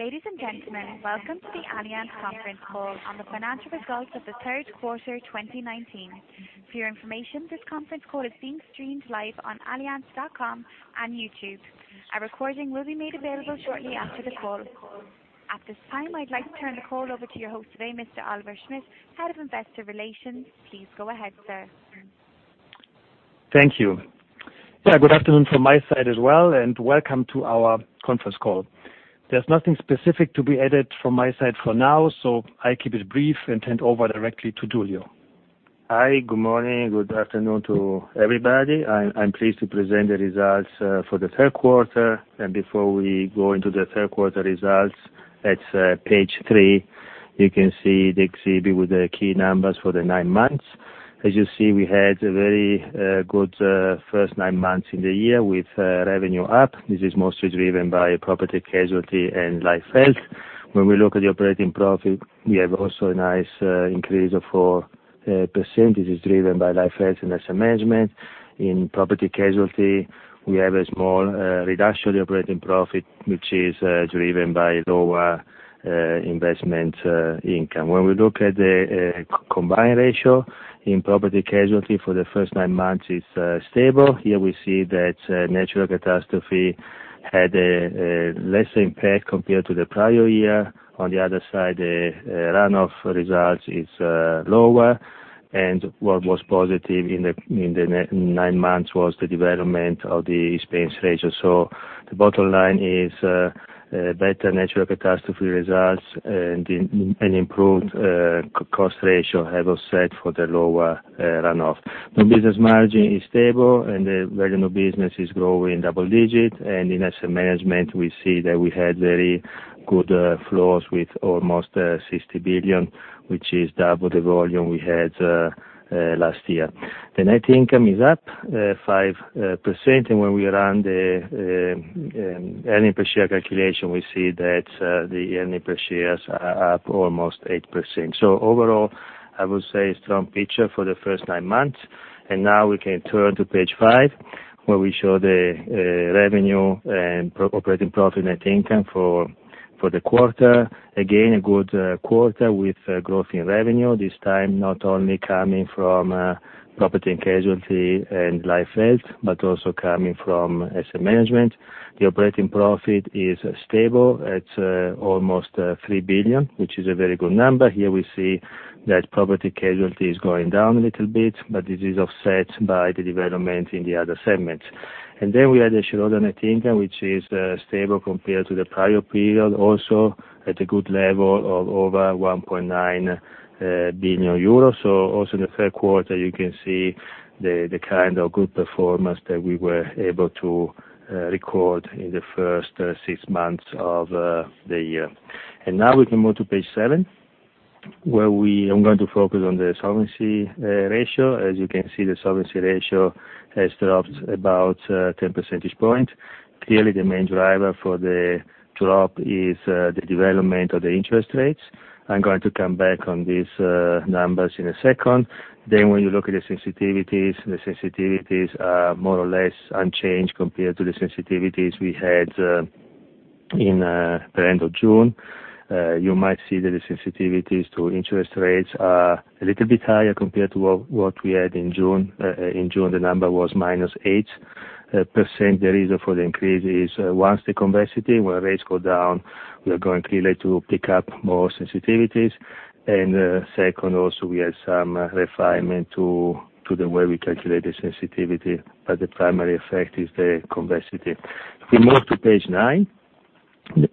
Ladies and gentlemen, welcome to the Allianz Conference Call on the financial results of the Q3 2019. For your information, this conference call is being streamed live on allianz.com and YouTube. Our recording will be made available shortly after the call. At this time, I'd like to turn the call over to your host today, Mr. Oliver Schmidt, Head of Investor Relations. Please go ahead, sir. Thank you. Yeah, good afternoon from my side as well, and welcome to our conference call. There's nothing specific to be added from my side for now, so I'll keep it brief and turn it over directly to Giulio. Hi, good morning, good afternoon to everybody. I'm pleased to present the results for the Q3, and before we go into the Q3 results, it's page three. You can see the exhibit with the key numbers for the nine months. As you see, we had a very good first nine months in the year with revenue up. This is mostly driven by property casualty and life health. When we look at the operating profit, we have also a nice increase of 4%. This is driven by life health and asset management. In property casualty, we have a small reduction in operating profit, which is driven by lower investment income. When we look at the combined ratio in property casualty for the first nine months, it's stable. Here we see that natural catastrophe had a lesser impact compared to the prior year. On the other side, the runoff results is lower, and what was positive in the nine months was the development of the expense ratio, so the bottom line is better natural catastrophe results and improved cost ratio have offset for the lower runoff. The business margin is stable, and the revenue business is growing double digits, and in asset management, we see that we had very good flows with almost 60 billion, which is double the volume we had last year. The net income is up 5%, and when we run the earnings per share calculation, we see that the earnings per share are up almost 8%. So overall, I would say a strong picture for the first nine months, and now we can turn to page 5, where we show the revenue and operating profit net income for the quarter. Again, a good quarter with growth in revenue, this time not only coming from property and casualty and life health, but also coming from asset management. The operating profit is stable at almost 3 billion, which is a very good number. Here we see that property casualty is going down a little bit, but this is offset by the development in the other segments. And then we add a shareholder net income, which is stable compared to the prior period, also at a good level of over 1.9 billion euros. So also in the Q3, you can see the kind of good performance that we were able to record in the first six months of the year. And now we can move to page seven, where I'm going to focus on the solvency ratio. As you can see, the solvency ratio has dropped about 10 percentage points. Clearly, the main driver for the drop is the development of the interest rates. I'm going to come back on these numbers in a second. Then when you look at the sensitivities, the sensitivities are more or less unchanged compared to the sensitivities we had in the end of June. You might see that the sensitivities to interest rates are a little bit higher compared to what we had in June. In June, the number was -8%. The reason for the increase is one is the convexity and when rates go down, we are going clearly to pick up more sensitivities. And second, also we had some refinement to the way we calculate the sensitivity, but the primary effect is the convexity. If we move to page nine,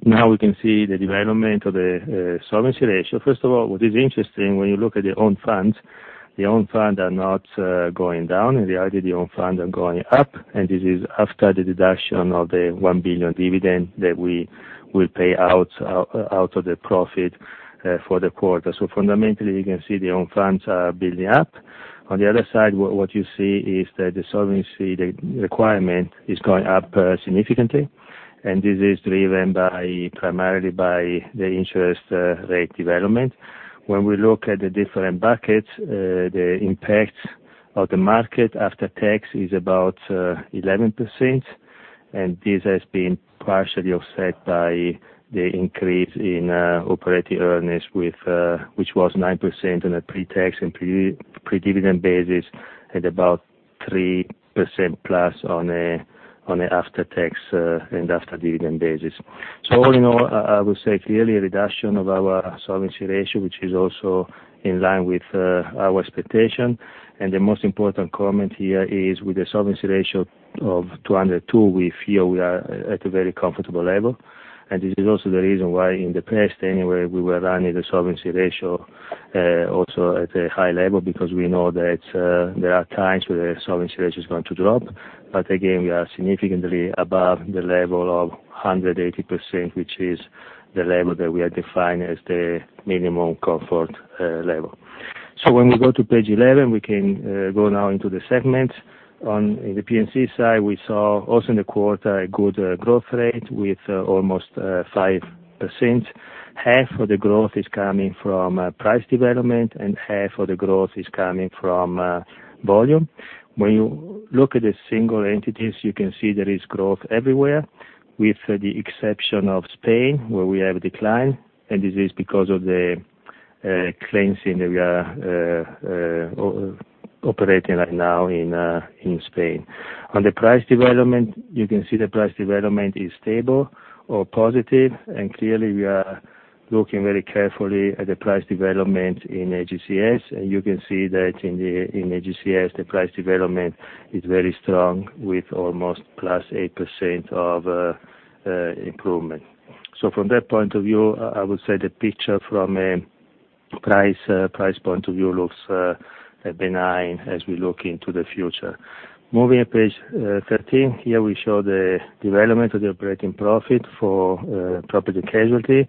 now we can see the development of the solvency ratio. First of all, what is interesting when you look at the own funds, the own funds are not going down. In reality, the own funds are going up, and this is after the deduction of the 1 billion dividend that we will pay out of the profit for the quarter. So fundamentally, you can see the own funds are building up. On the other side, what you see is that the solvency requirement is going up significantly, and this is driven by primarily by the interest rate development. When we look at the different buckets, the impact of the market after tax is about 11%, and this has been partially offset by the increase in operating earnings, which was 9% on a pre-tax and pre-dividend basis and about 3% plus on an after-tax and after-dividend basis. So all in all, I would say clearly a reduction of our solvency ratio, which is also in line with our expectation. And the most important comment here is with the solvency ratio of 202, we feel we are at a very comfortable level. And this is also the reason why in the past anyway we were running the solvency ratio also at a high level because we know that there are times where the solvency ratio is going to drop. But again, we are significantly above the level of 180%, which is the level that we are defining as the minimum comfort level. So when we go to page 11, we can go now into the segments. On the P&C side, we saw also in the quarter a good growth rate with almost 5%. Half of the growth is coming from price development, and half of the growth is coming from volume. When you look at the single entities, you can see there is growth everywhere with the exception of Spain, where we have a decline, and this is because of the cleansing that we are operating right now in Spain. On the price development, you can see the price development is stable or positive, and clearly we are looking very carefully at the price development in AGCS, and you can see that in AGCS the price development is very strong with almost plus 8% of improvement. So from that point of view, I would say the picture from a price point of view looks benign as we look into the future. Moving to page 13, here we show the development of the operating profit for Property-Casualty,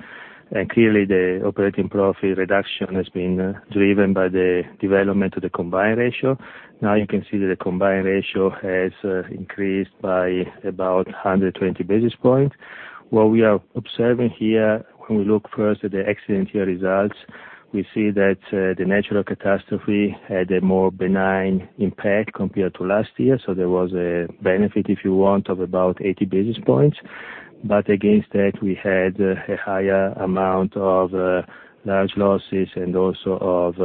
and clearly the operating profit reduction has been driven by the development of the combined ratio. Now you can see that the combined ratio has increased by about 120 basis points. What we are observing here, when we look first at the accident year results, we see that the natural catastrophe had a more benign impact compared to last year, so there was a benefit, if you want, of about 80 basis points, but against that, we had a higher amount of large losses and also of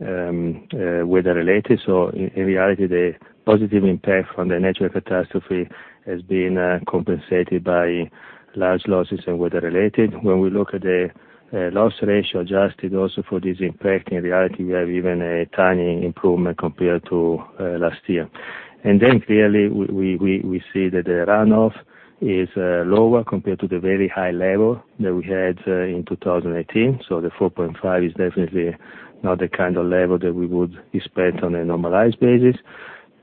weather-related, so in reality, the positive impact from the natural catastrophe has been compensated by large losses and weather-related. When we look at the loss ratio adjusted also for this impact, in reality, we have even a tiny improvement compared to last year. Then clearly we see that the runoff is lower compared to the very high level that we had in 2018. So the 4.5 is definitely not the kind of level that we would expect on a normalized basis.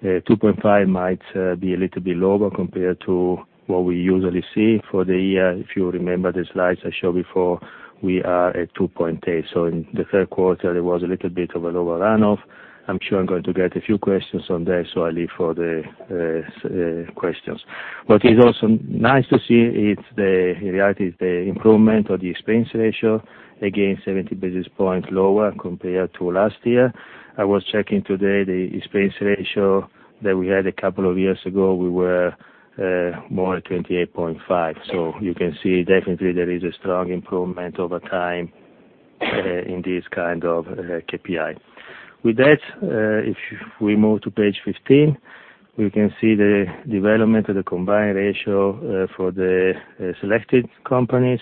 2.5 might be a little bit lower compared to what we usually see for the year. If you remember the slides I showed before, we are at 2.8. So in the Q3, there was a little bit of a lower runoff. I'm sure I'm going to get a few questions on there, so I'll leave for the questions. What is also nice to see is the reality is the improvement of the expense ratio, again, 70 basis points lower compared to last year. I was checking today the expense ratio that we had a couple of years ago, we were more at 28.5. So you can see definitely there is a strong improvement over time in this kind of KPI. With that, if we move to page 15, we can see the development of the combined ratio for the selected companies.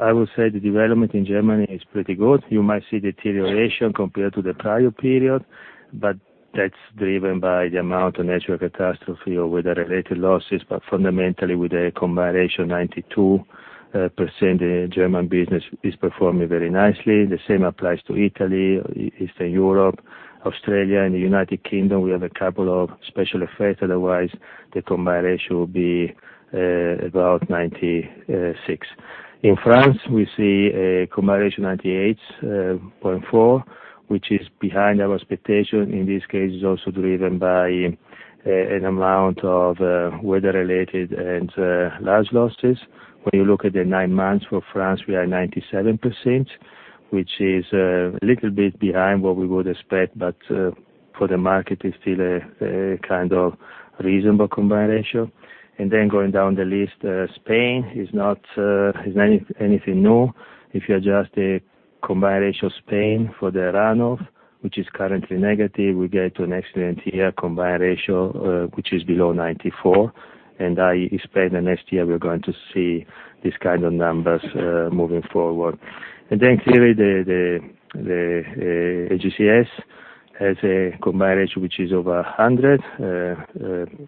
I would say the development in Germany is pretty good. You might see the deterioration compared to the prior period, but that's driven by the amount of natural catastrophe or weather-related losses. But fundamentally, with a combined ratio of 92%, the German business is performing very nicely. The same applies to Italy, Eastern Europe, Australia. In the United Kingdom, we have a couple of special effects. Otherwise, the combined ratio would be about 96%. In France, we see a combined ratio of 98.4%, which is behind our expectation. In this case, it's also driven by an amount of weather-related and large losses. When you look at the nine months for France, we are 97%, which is a little bit behind what we would expect, but for the market, it's still a kind of reasonable combined ratio. Then going down the list, Spain is not anything new. If you adjust the combined ratio of Spain for the runoff, which is currently negative, we get to an accident year combined ratio, which is below 94%. And I expect the next year we're going to see this kind of numbers moving forward. Then clearly, the AGCS has a combined ratio which is over 100%,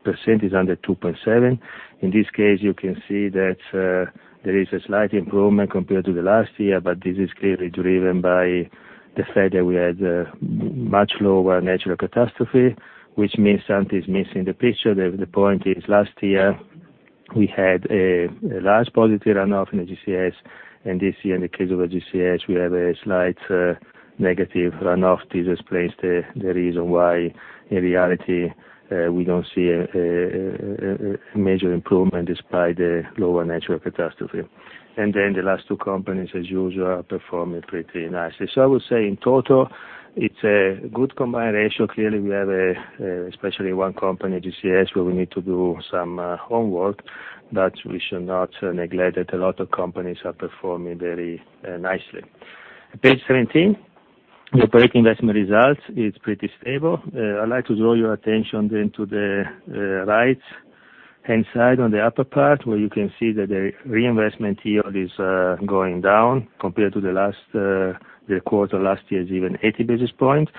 percent is 102.7. In this case, you can see that there is a slight improvement compared to the last year, but this is clearly driven by the fact that we had much lower natural catastrophe, which means something is missing the picture. The point is, last year we had a large positive runoff in AGCS, and this year in the case of AGCS, we have a slight negative runoff. This explains the reason why in reality we don't see a major improvement despite the lower natural catastrophe. And then the last two companies, as usual, are performing pretty nicely. So I would say in total, it's a good combined ratio. Clearly, we have especially one company, AGCS, where we need to do some homework, but we should not neglect that a lot of companies are performing very nicely. Page 17, the operating investment results is pretty stable. I'd like to draw your attention then to the right-hand side on the upper part, where you can see that the reinvestment yield is going down compared to the last quarter last year even 80 basis points.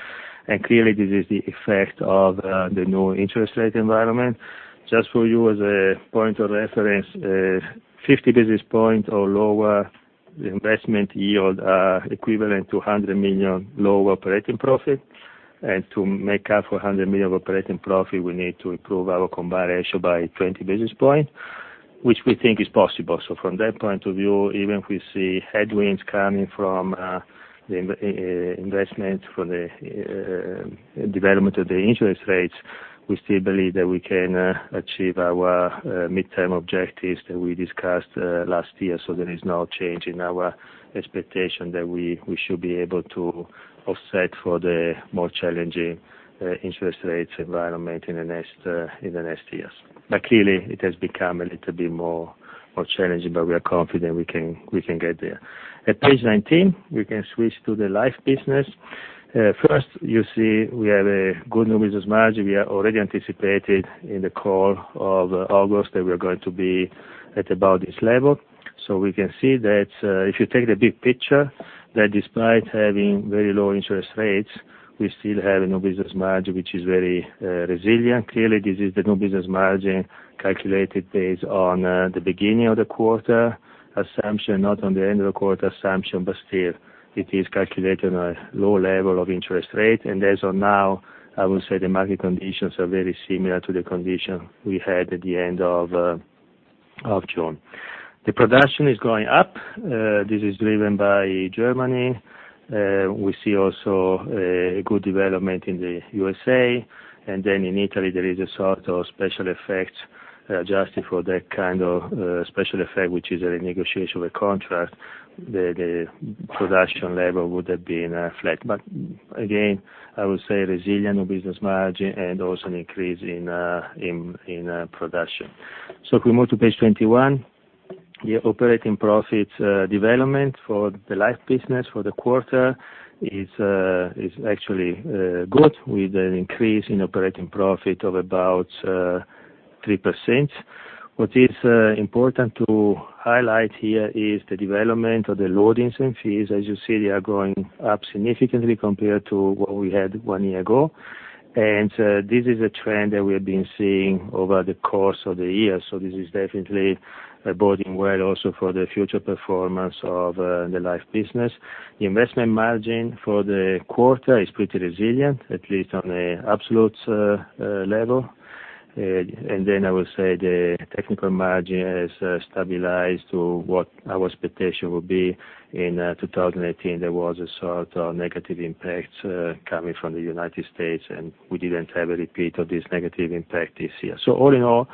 And clearly, this is the effect of the new interest rate environment. Just for you as a point of reference, 50 basis points or lower, the investment yield is equivalent to 100 million lower operating profit. And to make up for 100 million operating profit, we need to improve our combined ratio by 20 basis points, which we think is possible. So from that point of view, even if we see headwinds coming from the investment for the development of the interest rates, we still believe that we can achieve our midterm objectives that we discussed last year. So there is no change in our expectation that we should be able to offset for the more challenging interest rates environment in the next years. But clearly, it has become a little bit more challenging, but we are confident we can get there. At page 19, we can switch to the life business. First, you see we have a good new business margin. We already anticipated in the call of August that we are going to be at about this level. So we can see that if you take the big picture, that despite having very low interest rates, we still have a new business margin which is very resilient. Clearly, this is the new business margin calculated based on the beginning of the quarter assumption, not on the end of the quarter assumption, but still it is calculated on a low level of interest rate. And as of now, I would say the market conditions are very similar to the condition we had at the end of June. The production is going up. This is driven by Germany. We see also a good development in the USA. And then in Italy, there is a sort of special effect adjusted for that kind of special effect, which is a renegotiation of a contract. The production level would have been flat. But again, I would say resilient new business margin and also an increase in production. So if we move to page 21, the operating profit development for the life business for the quarter is actually good with an increase in operating profit of about 3%. What is important to highlight here is the development of the loadings and fees. As you see, they are going up significantly compared to what we had one year ago. And this is a trend that we have been seeing over the course of the year. So this is definitely boding well also for the future performance of the life business. The investment margin for the quarter is pretty resilient, at least on an absolute level, and then I will say the technical margin has stabilized to what our expectation would be in 2018. There was a sort of negative impact coming from the United States, and we didn't have a repeat of this negative impact this year. So all in all,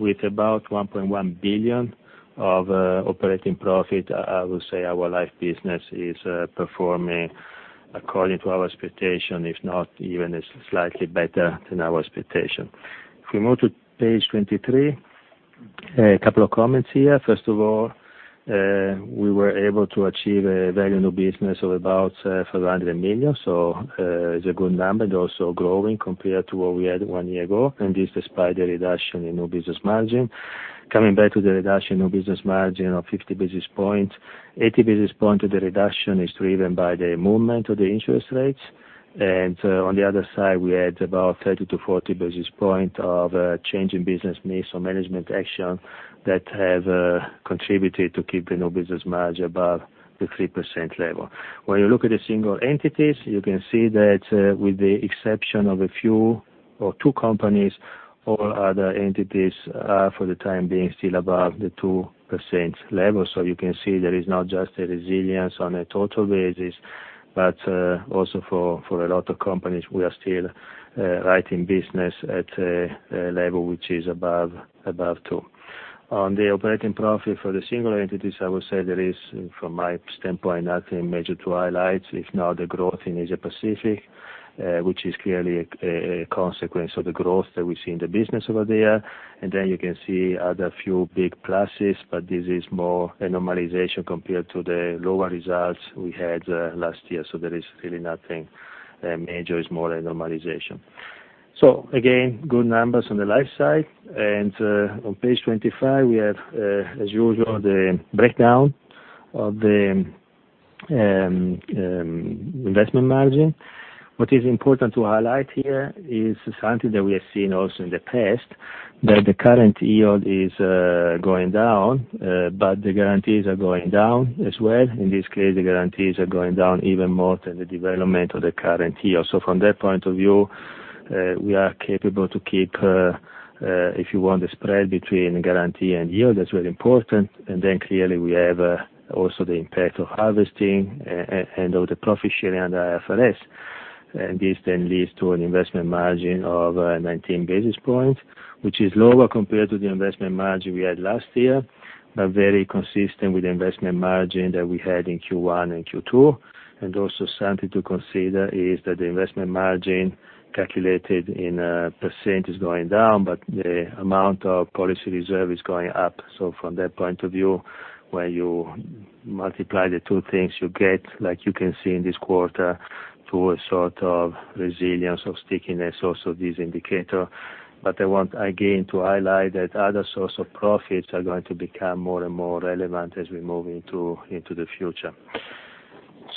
with about 1.1 billion of operating profit, I would say our life business is performing according to our expectation, if not even slightly better than our expectation. If we move to page 23, a couple of comments here. First of all, we were able to achieve a value of new business of about 500 million. So it's a good number. It's also growing compared to what we had one year ago. And this is despite the reduction in new business margin. Coming back to the reduction in new business margin of 50 basis points, 80 basis points of the reduction is driven by the movement of the interest rates, and on the other side, we had about 30 to 40 basis points of changing business needs or management action that have contributed to keep the new business margin above the 3% level. When you look at the single entities, you can see that with the exception of a few or two companies, all other entities are for the time being still above the 2% level, so you can see there is not just a resilience on a total basis, but also for a lot of companies, we are still writing business at a level which is above 2. On the operating profit for the single entities, I would say there is, from my standpoint, nothing major to highlight, if not the growth in Asia-Pacific, which is clearly a consequence of the growth that we see in the business over the year. And then you can see other few big pluses, but this is more a normalization compared to the lower results we had last year. So there is really nothing major or small normalization. So again, good numbers on the life side. And on page 25, we have, as usual, the breakdown of the investment margin. What is important to highlight here is something that we have seen also in the past, that the current yield is going down, but the guarantees are going down as well. In this case, the guarantees are going down even more than the development of the current yield. So from that point of view, we are capable to keep, if you want, the spread between guarantee and yield as very important. And then clearly, we have also the impact of harvesting and of the profit sharing under IFRS. And this then leads to an investment margin of 19 basis points, which is lower compared to the investment margin we had last year, but very consistent with the investment margin that we had in Q1 and Q2. And also something to consider is that the investment margin calculated in percentage is going down, but the amount of policy reserve is going up. So from that point of view, when you multiply the two things, you get, like you can see in this quarter, to a sort of resilience or stickiness also of this indicator. But I want again to highlight that other sources of profits are going to become more and more relevant as we move into the future.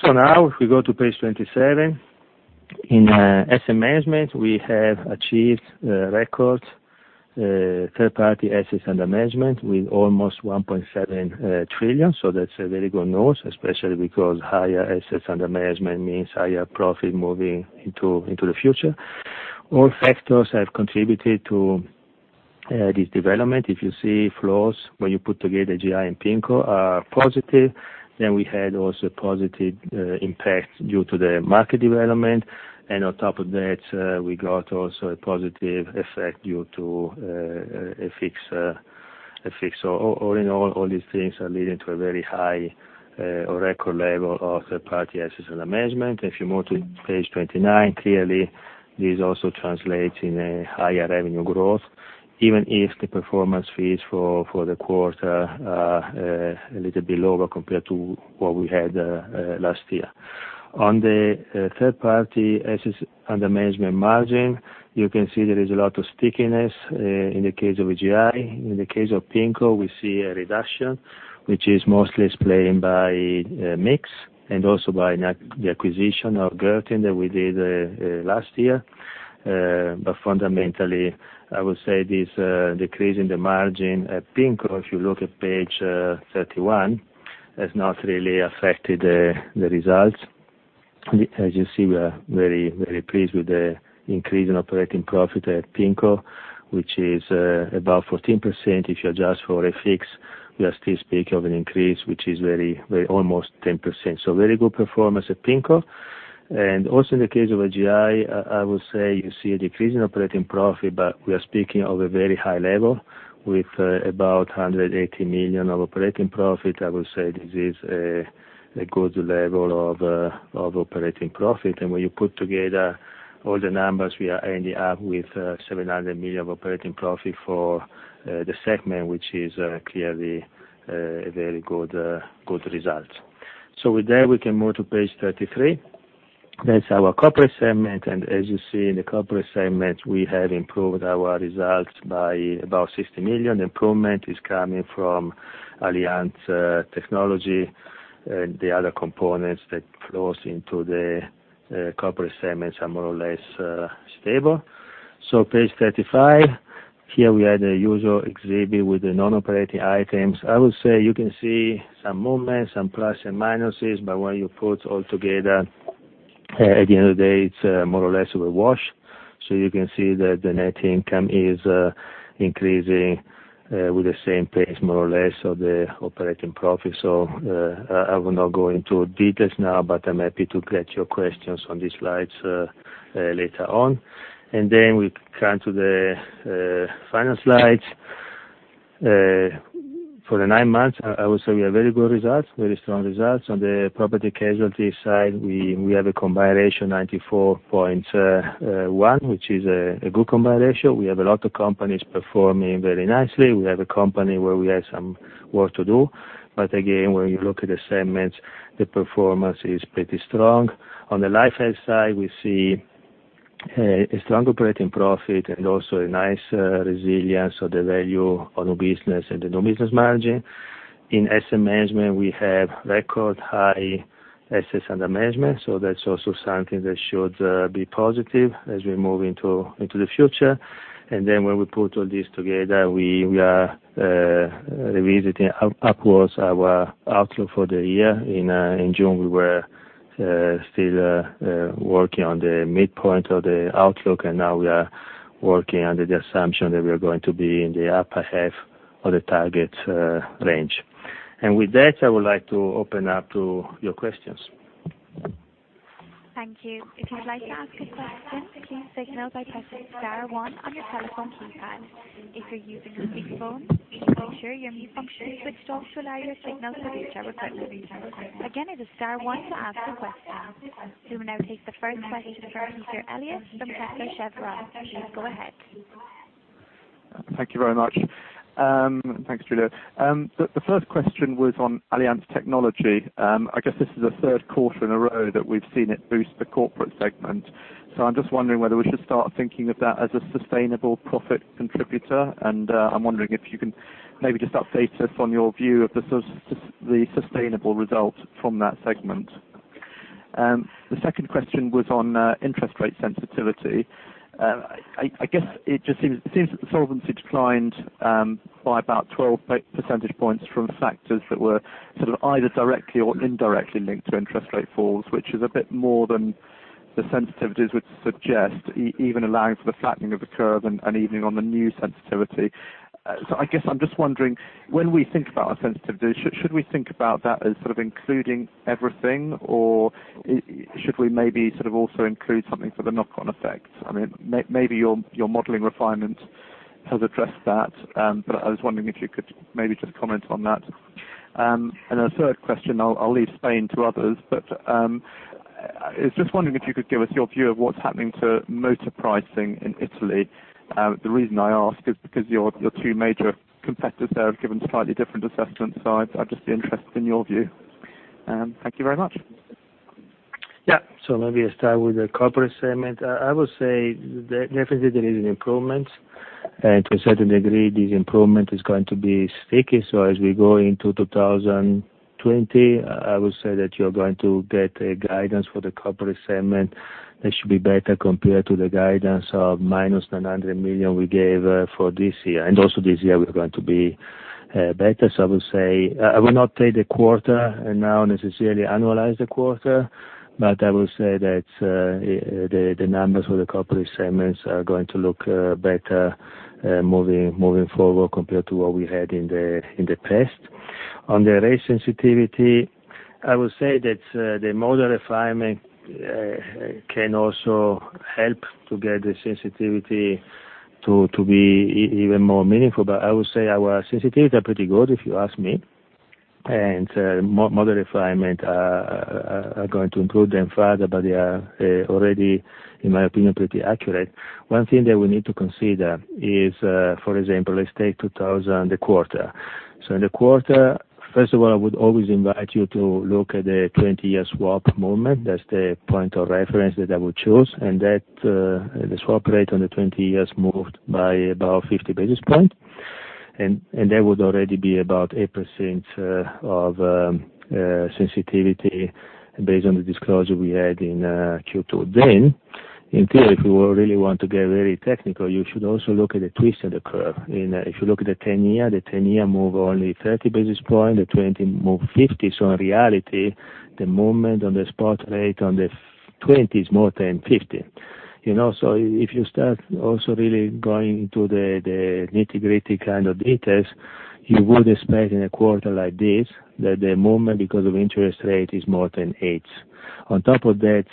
So now we go to page 27, in asset management, we have achieved record third-party assets under management with almost 1.7 trillion. So that's a very good news, especially because higher assets under management means higher profit moving into the future. All factors have contributed to this development. If you see flows when you put together AGI and PIMCO are positive, then we had also positive impacts due to the market development. And on top of that, we got also a positive effect due to FX. So all in all, all these things are leading to a very high or record level of third-party assets under management. If you move to page 29, clearly, this also translates in a higher revenue growth, even if the performance fees for the quarter are a little bit lower compared to what we had last year. On the third-party assets under management margin, you can see there is a lot of stickiness in the case of AGI. In the case of PIMCO, we see a reduction, which is mostly explained by mix and also by the acquisition of Gurtin that we did last year. But fundamentally, I would say this decrease in the margin at PIMCO, if you look at page 31, has not really affected the results. As you see, we are very, very pleased with the increase in operating profit at PIMCO, which is about 14%. If you adjust for FX, we are still speaking of an increase, which is almost 10%. So very good performance at PIMCO. And also in the case of AGI, I would say you see a decrease in operating profit, but we are speaking of a very high level with about 180 million of operating profit. I would say this is a good level of operating profit. And when you put together all the numbers, we are ending up with 700 million of operating profit for the segment, which is clearly a very good result. So with that, we can move to page 33. That's our corporate segment. And as you see in the corporate segment, we have improved our results by about 60 million. The improvement is coming from Allianz Technology. The other components that flows into the corporate segments are more or less stable. So page 35, here we had a usual exhibit with the non-operating items. I would say you can see some movement, some plus and minuses, but when you put all together, at the end of the day, it's more or less of a wash. So you can see that the net income is increasing with the same pace, more or less, of the operating profit. So I will not go into details now, but I'm happy to get your questions on these slides later on. And then we come to the final slides. For the nine months, I would say we have very good results, very strong results. On the property casualty side, we have a combined ratio of 94.1, which is a good combined ratio. We have a lot of companies performing very nicely. We have a company where we have some work to do. But again, when you look at the segments, the performance is pretty strong. On the life side, we see a strong operating profit and also a nice resilience of the value of new business and the new business margin. In asset management, we have record high assets under management. So that's also something that should be positive as we move into the future. And then when we put all this together, we are revising upwards our outlook for the year. In June, we were still working on the midpoint of the outlook, and now we are working under the assumption that we are going to be in the upper half of the target range. And with that, I would like to open up to your questions. Thank you. If you would like to ask a question, please signal by pressing Star one on your telephone keypad. If you're using a free phone, make sure your mute function is switched off to allow your signal to reach our equipment. Again, it is Star one to ask a question. We will now take the first question from Peter Eliot from Kepler Cheuvreux. Please go ahead. Thank you very much. Thanks, Giulio. The first question was on Allianz Technology. I guess this is the Q3 in a row that we've seen it boost the corporate segment. So I'm just wondering whether we should start thinking of that as a sustainable profit contributor, and I'm wondering if you can maybe just update us on your view of the sustainable result from that segment. The second question was on interest rate sensitivity. I guess it just seems that the solvency declined by about 12 percentage points from factors that were sort of either directly or indirectly linked to interest rate falls, which is a bit more than the sensitivities would suggest, even allowing for the flattening of the curve and even on the new sensitivity. So I guess I'm just wondering, when we think about our sensitivity, should we think about that as sort of including everything, or should we maybe sort of also include something for the knock-on effect? I mean, maybe your modeling refinement has addressed that, but I was wondering if you could maybe just comment on that. And then the third question, I'll will explain to others, but just wanted to if you could give us your view of what's happening to motor pricing in Italy. The reason I ask is because your two major competitors there have given slightly different assessments. So I'd just be interested in your view. Thank you very much. Yeah. So maybe I'll start with the corporate segment. I would say definitely there is an improvement. And to a certain degree, this improvement is going to be sticky. So as we go into 2020, I would say that you're going to get a guidance for the corporate segment that should be better compared to the guidance of minus 900 million we gave for this year. And also this year, we're going to be better. So I will say I will not try to quarter not necessarily annualize the quarter, but I will say that the numbers for the corporate segments are going to look better moving forward compared to what we had in the past. On the rate sensitivity, I will say that the model refinement can also help to get the sensitivity to be even more meaningful. But I would say our sensitivity are pretty good, if you ask me. And model refinement are going to improve them further, but they are already, in my opinion, pretty accurate. One thing that we need to consider is, for example, let's take Q2 2020, the quarter. So in the quarter, first of all, I would always invite you to look at the 20-year swap movement. That's the point of reference that I would choose. And that the swap rate on the 20 years moved by about 50 basis points. And that would already be about 8% of sensitivity based on the disclosure we had in Q2. Then, in theory, if you really want to get very technical, you should also look at the twist of the curve. If you look at the 10-year, the 10-year moved only 30 basis points. The 20 moved 50. So in reality, the movement on the spot rate on the 20 is more than 50. You know so if you start also really going into the nitty-gritty kind of details, you would expect in a quarter like this that the movement because of interest rate is more than 8. On top of that,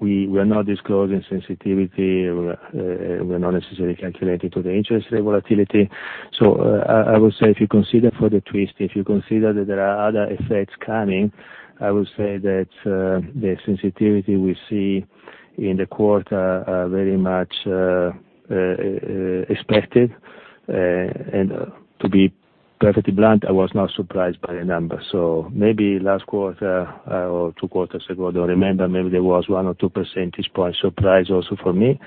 we are not disclosing sensitivity. We are not necessarily calculating to the interest rate volatility. So I would say if you consider for the twist, if you consider that there are other effects coming, I would say that the sensitivity we see in the quarter are very much expected. And to be perfectly blunt, I was not surprised by the numbers. So maybe last quarter or two quarters ago, I don't remember, maybe there was one or two percentage points surprise also for me.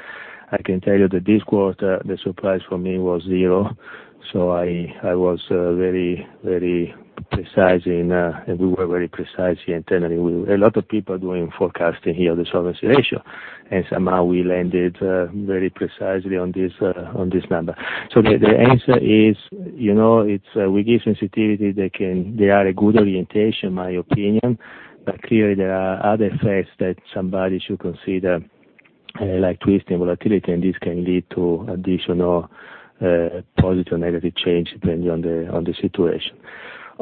I can tell you that this quarter, the surprise for me was zero. So I was very, very precise, and we were very precise here internally. A lot of people are doing forecasting here on the Solvency Ratio. And somehow we landed very precisely on this number. So the answer is, you know, it's. We give sensitivities that can. They are a good orientation, in my opinion. But clearly, there are other effects that somebody should consider, like twist and volatility, and this can lead to additional positive or negative change depending on the situation.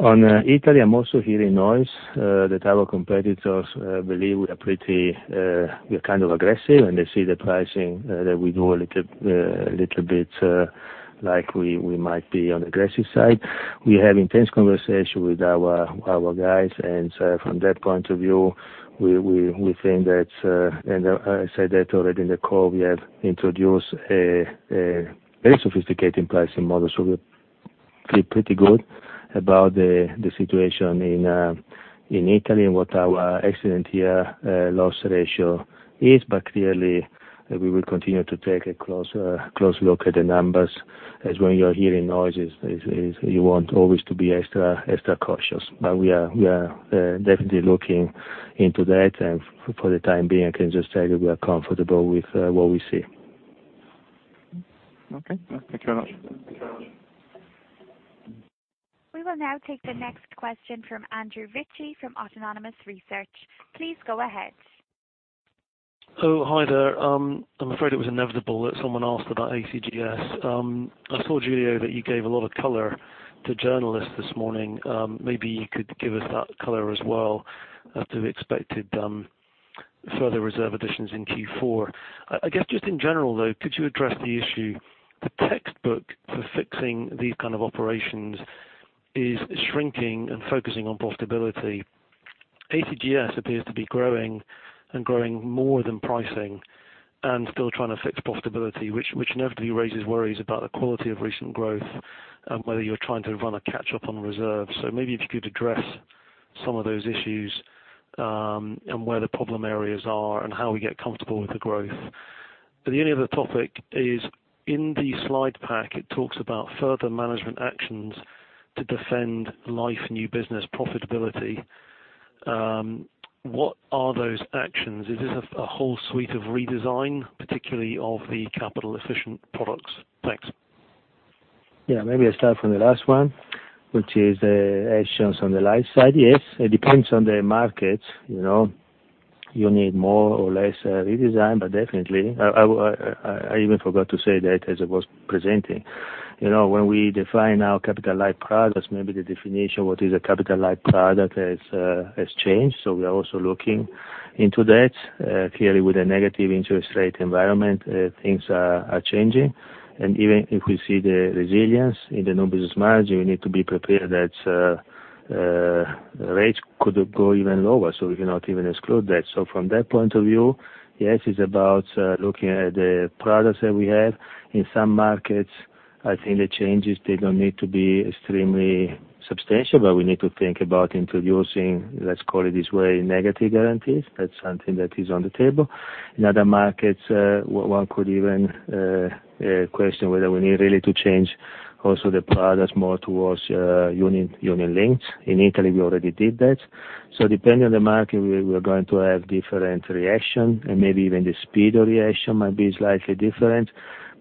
On Italy, I'm also hearing noise that our competitors believe we are pretty we are kind of aggressive, and they see the pricing that we do a little bit like we might be on the aggressive side. We have intense conversation with our guys, and so from that point of view, we think that, and I said that already in the call, we have introduced a very sophisticated pricing model. So we feel pretty good about the situation in Italy and what our accident-year loss ratio is. But clearly, we will continue to take a closer look at the numbers. As when you're hearing noises, you want always to be extra cautious. But we are definitely looking into that. And for the time being, I can just tell you we are comfortable with what we see. Okay. Thank you very much. We will now take the next question from Andrew Ritchie from Autonomous Research. Please go ahead. Hello. Hi there. I'm afraid it was inevitable that someone asked about AGCS. I saw, Giulio, that you gave a lot of color to journalists this morning. Maybe you could give us that color as well after we expected further reserve additions in Q4. I guess just in general, though, could you address the issue? The textbook for fixing these kinds of operations is shrinking and focusing on profitability. AGCS appears to be growing and growing more than pricing and still trying to fix profitability, which inevitably raises worries about the quality of recent growth and whether you're trying to run a catch-up on reserves. So maybe if you could address some of those issues and where the problem areas are and how we get comfortable with the growth. The only other topic is in the slide pack. It talks about further management actions to defend life and new business profitability. What are those actions? Is this a whole suite of redesign, particularly of the capital-efficient products? Thanks. Yeah. Maybe I'll start from the last one, which is the actions on the life side. Yes, it depends on the market. You know you need more or less redesign, but definitely. I even forgot to say that as I was presenting. You know when we define our capital-like products, maybe the definition of what is a capital-like product has changed, so we are also looking into that. Clearly, with a negative interest rate environment, things are changing and even if we see the resilience in the new business margin, we need to be prepared that rates could go even lower, so we cannot even exclude that, so from that point of view, yes, it's about looking at the products that we have. In some markets, I think the changes, they don't need to be extremely substantial, but we need to think about introducing, let's call it this way, negative guarantees. That's something that is on the table. In other markets, one could even question whether we need really to change also the products more towards unit-linked. In Italy, we already did that. So depending on the market, we are going to have different reactions, and maybe even the speed of reaction might be slightly different.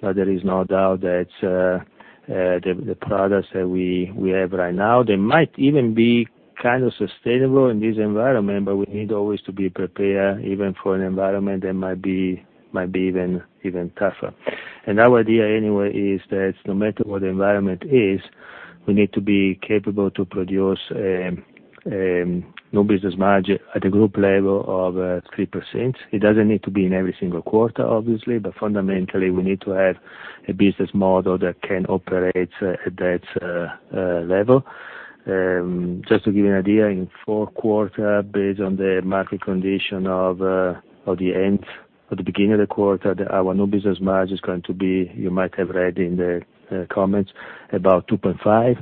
But there is no doubt that the products that we have right now, they might even be kind of sustainable in this environment, but we need always to be prepared even for an environment that might be even tougher. And our idea anyway is that no matter what the environment is, we need to be capable to produce new business margin at a group level of 3%. It doesn't need to be in every single quarter, obviously, but fundamentally, we need to have a business model that can operate at that level. Just to give you an idea, in four quarters, based on the market condition of the end or the beginning of the quarter, our new business margin is going to be, you might have read in the comments, about 2.5.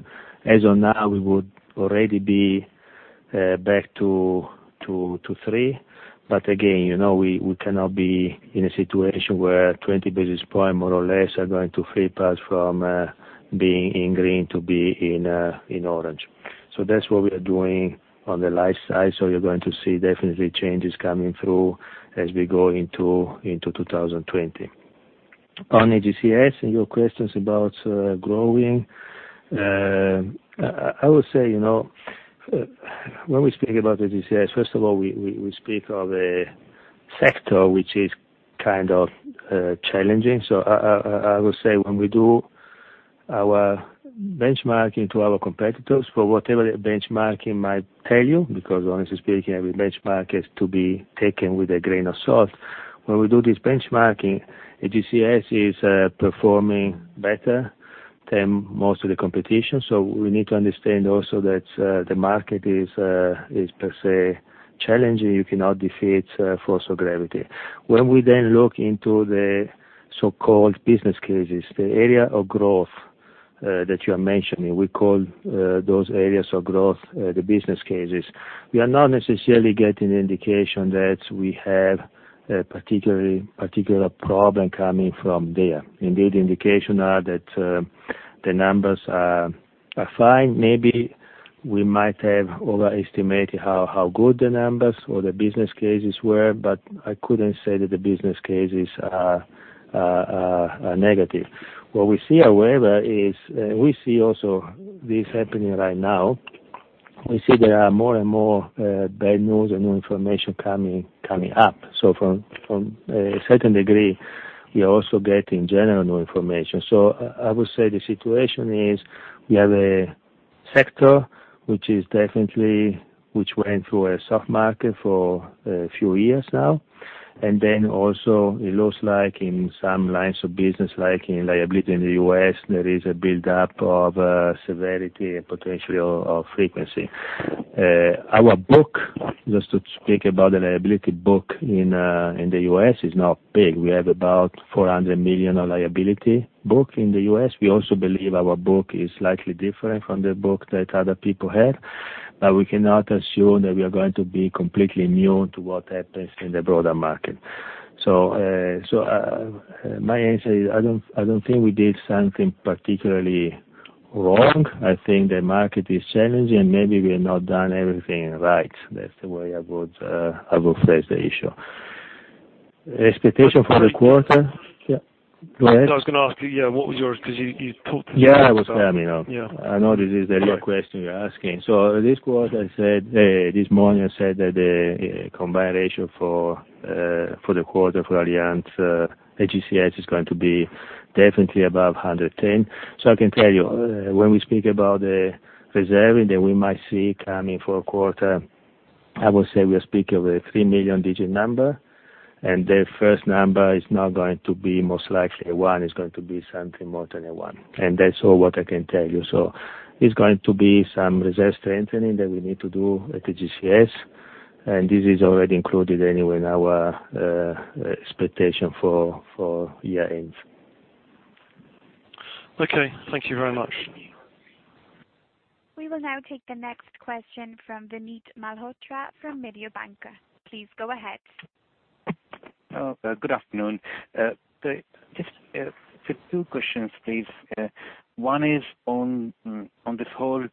As of now, we would already be back to three. But again, we cannot be in a situation where 20 basis points, more or less, are going to flip us from being in green to being in orange. So that's what we are doing on the life side. So you're going to see definitely changes coming through as we go into 2020. On AGCS and your questions about growing, I would say you know when we speak about AGCS, first of all, we speak of a sector which is kind of challenging. So I would say when we do our benchmarking to our competitors, for whatever the benchmarking might tell you, because honestly speaking, every benchmark has to be taken with a grain of salt. When we do this benchmarking, AGCS is performing better than most of the competition. So we need to understand also that the market is per se challenging. You cannot defeat force of gravity. When we then look into the so-called business cases, the area of growth that you are mentioning, we call those areas of growth the business cases, we are not necessarily getting the indication that we have a particular problem coming from there. Indeed, the indication is that the numbers are fine. Maybe we might have overestimated how good the numbers or the business cases were, but I couldn't say that the business cases are negative. What we see, however, is we see also this happening right now. We see there are more and more bad news and new information coming up. So from a certain degree, we are also getting general new information. So I would say the situation is we have a sector which is definitely which went through a soft market for a few years now. And then also it looks like in some lines of business, like in liability in the U.S., there is a build-up of severity and potentially of frequency. Our book, just to speak about the liability book in the U.S., is not big. We have about $400 million of liability book in the U.S. We also believe our book is slightly different from the book that other people have. We cannot assume that we are going to be completely immune to what happens in the broader market. So my answer is I don't think we did something particularly wrong. I think the market is challenging, and maybe we have not done everything right. That's the way I would phrase the issue. Expectation for the quarter? Yeah. Go ahead. I was going to ask you, yeah, what was your because you talked to somebody else. Yeah, I was telling you. I know this is the real question you're asking. So this quarter, I said this morning, I said that the combined ratio for the quarter for Allianz AGCS is going to be definitely above 110%. So I can tell you, when we speak about the reserving that we might see coming for a quarter, I would say we are speaking of a 3 million digit number. And the first number is not going to be most likely a 1. It's going to be something more than a 1. And that's all what I can tell you. So it's going to be some reserve strengthening that we need to do at AGCS. And this is already included anyway in our expectation for year-end. Okay. Thank you very much. We will now take the next question from Vinit Malhotra from Mediobanca. Please go ahead. Good afternoon. Just two questions, please. One is on this whole,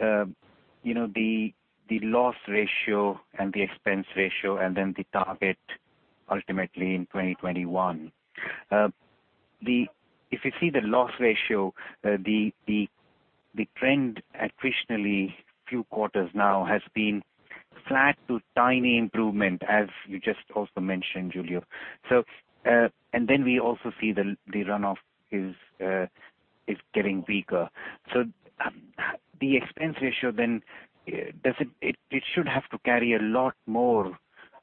you know the loss ratio and the expense ratio, and then the target ultimately in 2021. The, if you see the loss ratio, the trend attritionally few quarters now has been flat to tiny improvement, as you just also mentioned, Giulio. So and then we also see the runoff is getting weaker. So the expense ratio then, it should have to carry a lot more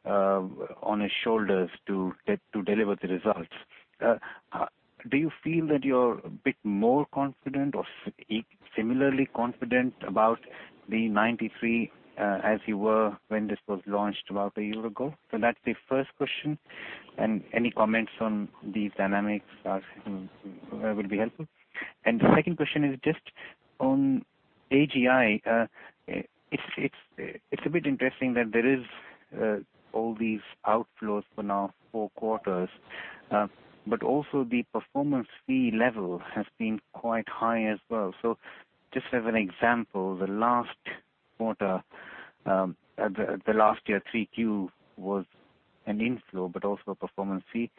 on its shoulders to deliver the results. Do you feel that you're a bit more confident or similarly confident about the 93 as you were when this was launched about a year ago? So that's the first question. And any comments on these dynamics would be helpful. And the second question is just on AGI. It's a bit interesting that there is all these outflows for now four quarters, but also the performance fee level has been quite high as well. So just as an example, the last quarter, the last year, 3Q was an inflow, but also a performance fee.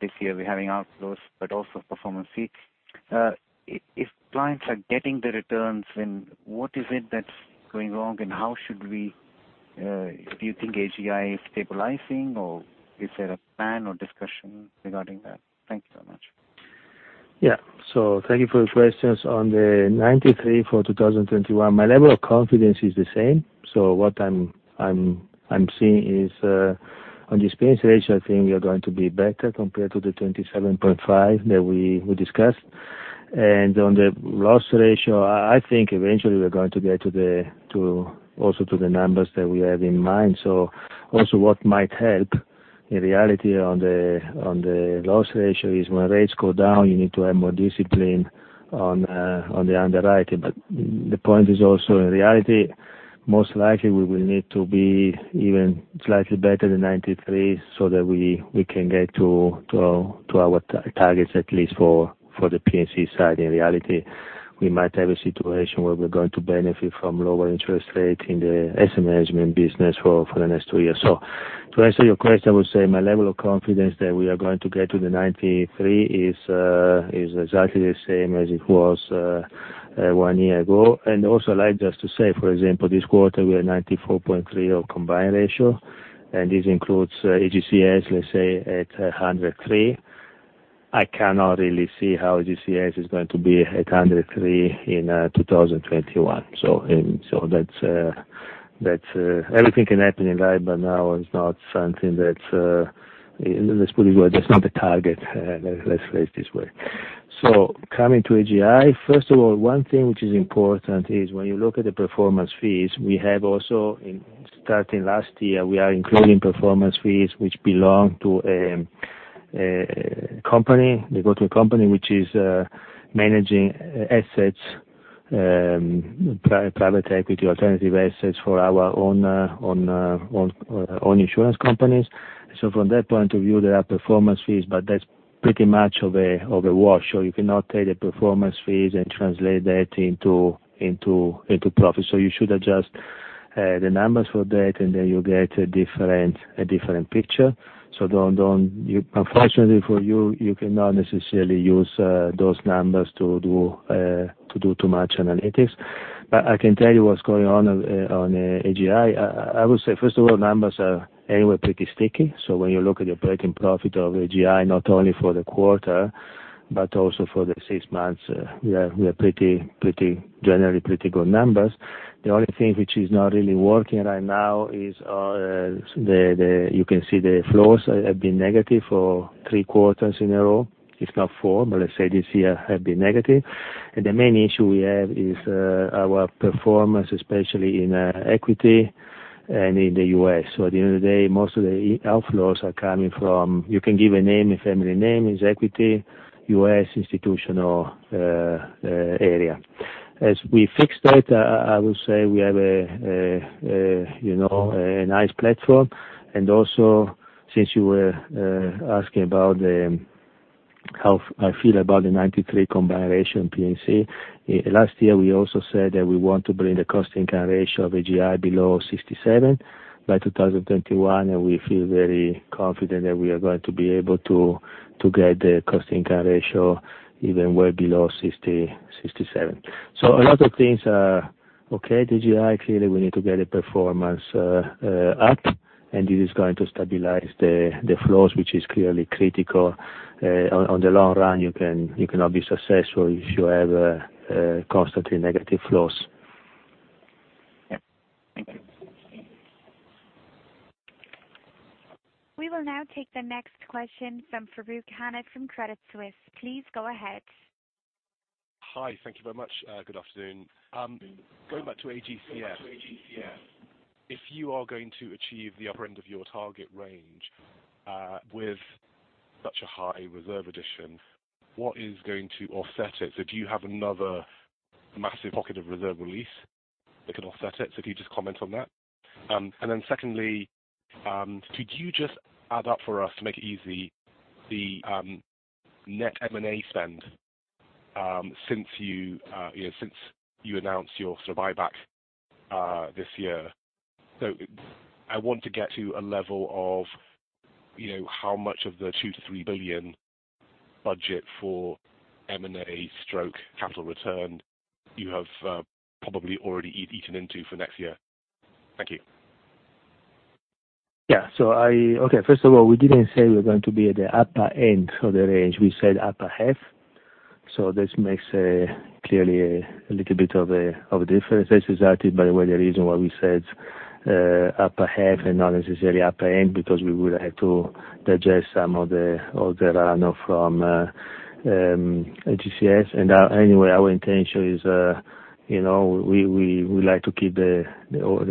This year, we're having outflows, but also performance fee. If clients are getting the returns, then what is it that's going wrong, and how should we do you think AGI is stabilizing, or is there a plan or discussion regarding that? Thank you very much. Yeah. So thank you for your questions on the 93% for 2021. My level of confidence is the same. So what I'm seeing is on the expense ratio, I think we are going to be better compared to the 27.5% that we discussed. And on the loss ratio, I think eventually we're going to get also to the numbers that we have in mind. So also what might help in reality on the loss ratio is when rates go down, you need to have more discipline on the underwriting. But the point is also in reality, most likely we will need to be even slightly better than 93% so that we can get to our targets at least for the P&C side. In reality, we might have a situation where we're going to benefit from lower interest rates in the asset management business for the next two years. So to answer your question, I would say my level of confidence that we are going to get to the 93% is exactly the same as it was one year ago. And also I'd like just to say, for example, this quarter we are 94.3% combined ratio, and this includes AGCS, let's say, at 103%. I cannot really see how AGCS is going to be at 103% in 2021. So that's, everything can happen in life, but now is not something that's, let's put it this way. That's not the target, let's phrase it this way. So coming to AGI, first of all, one thing which is important is when you look at the performance fees, we have also starting last year, we are including performance fees which belong to a company. They go to a company which is managing assets, private equity, alternative assets for our own insurance companies. So from that point of view, there are performance fees, but that's pretty much of a wash. So you cannot take the performance fees and translate that into profit. So you should adjust the numbers for that, and then you get a different picture. So unfortunately for you, you cannot necessarily use those numbers to do too much analytics. But I can tell you what's going on on AGI. I would say, first of all, numbers are anyway pretty sticky. So when you look at the operating profit of AGI, not only for the quarter, but also for the six months, we are pretty pretty generally pretty good numbers. The only thing which is not really working right now is you can see the flows have been negative for three quarters in a row. It's not four, but let's say this year have been negative. And the main issue we have is our performance, especially in equity and in the U.S. So at the end of the day, most of the outflows are coming from you can give a name, a family name, it's equity, US institutional area. As we fixed that, I would say we have a nice platform. And also since you were asking about how I feel about the 93% combined ratio P&C, last year we also said that we want to bring the cost income ratio of AGI below 67% by 2021, and we feel very confident that we are going to be able to get the cost income ratio even well below 67%. So a lot of things are okay to AGI. Clearly, we need to get the performance up, and this is going to stabilize the flows, which is clearly critical. In the long run, you cannot be successful if you have constantly negative flows. Yep. We will now take the next question from Farooq Hanif from Credit Suisse. Please go ahead. Hi. Thank you very much. Good afternoon. Going back to AGCS, if you are going to achieve the upper end of your target range with such a high reserve addition, what is going to offset it? So do you have another massive pocket of reserve release that can offset it? So can you just comment on that? And then secondly, could you just add up for us to make it easy, the net M&A spend since you announced your sort of buyback this year? So I want to get to a level of you know how much of the 2-3 billion budget for M&A stroke capital return you have probably already eaten into for next year. Thank you. Yeah. So okay, first of all, we didn't say we're going to be at the upper end of the range. We said upper half. So this makes a clearly a little bit of a difference. That's exactly, by the way, the reason why we said upper half and not necessarily upper end, because we would have to digest some of the runoff from AGCS. And anyway, our intention is you know we like to keep the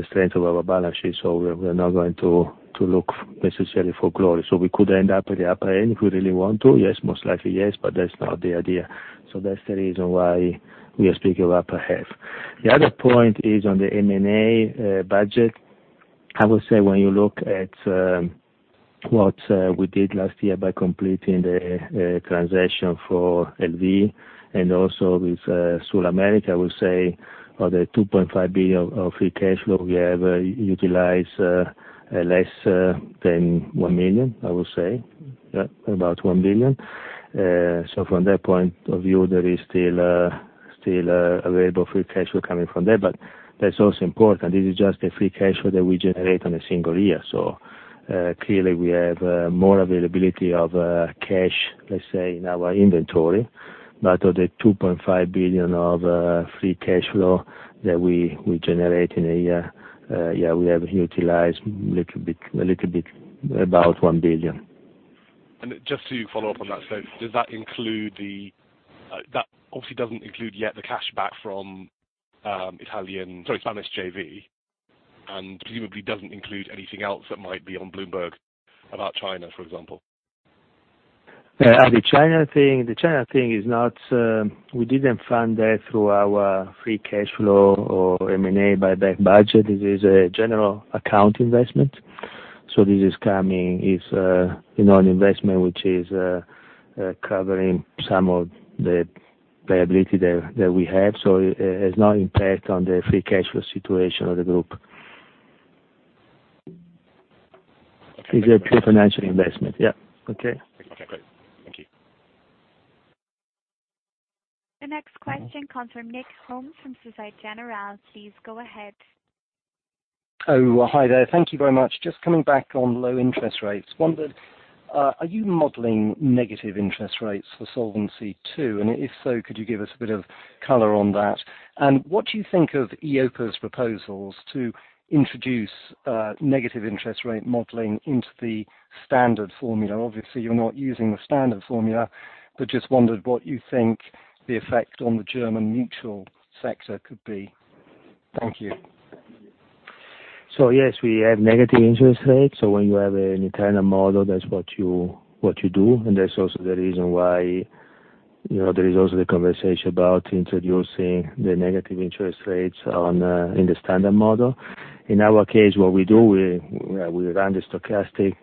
strength of our balance sheet, so we're not going to look necessarily for glory. So we could end up at the upper end if we really want to. Yes, most likely yes, but that's not the idea. So that's the reason why we are speaking of upper half. The other point is on the M&A budget. I would say when you look at what we did last year by completing the transaction for LV and also with SulAmérica, I would say of the 2.5 billion of free cash flow, we have utilized less than 1 million, I would say, about 1 billion. So from that point of view, there is still available free cash flow coming from there. But that's also important. This is just a free cash flow that we generate on a single year. So clearly, we have more availability of cash, let's say, in our inventory. But of the 2.5 billion of free cash flow that we generate in a year, yeah, we have utilized a little bit about 1 billion. Just to follow up on that, so does that include the? That obviously doesn't include yet the cash back from Italian, sorry, Spanish JV, and presumably doesn't include anything else that might be on Bloomberg about China, for example? Yeah. China thing, the China thing is not. We didn't fund that through our free cash flow or M&A buyback budget. This is a general account investment. So this is coming is you know an investment which is covering some of the liability that we have. So it has no impact on the free cash flow situation of the group. It's a pure financial investment? Yeah. Okay. Okay. Great. Thank you. The next question comes from Nick Holmes from Société Générale. Please go ahead. Hi, there. Thank you very much. Just coming back on low interest rates. Wondered, are you modeling negative interest rates for Solvency II? And if so, could you give us a bit of color on that? And what do you think of EIOPA's proposals to introduce negative interest rate modeling into the standard formula? Obviously, you're not using the standard formula, but just wondered what you think the effect on the German mutual sector could be. Thank you. So yes, we have negative interest rates. When you have an internal model, that's what you do. That's also the reason why you know there is also the conversation about introducing the negative interest rates in the standard model. In our case, what we do, we run the stochastic shock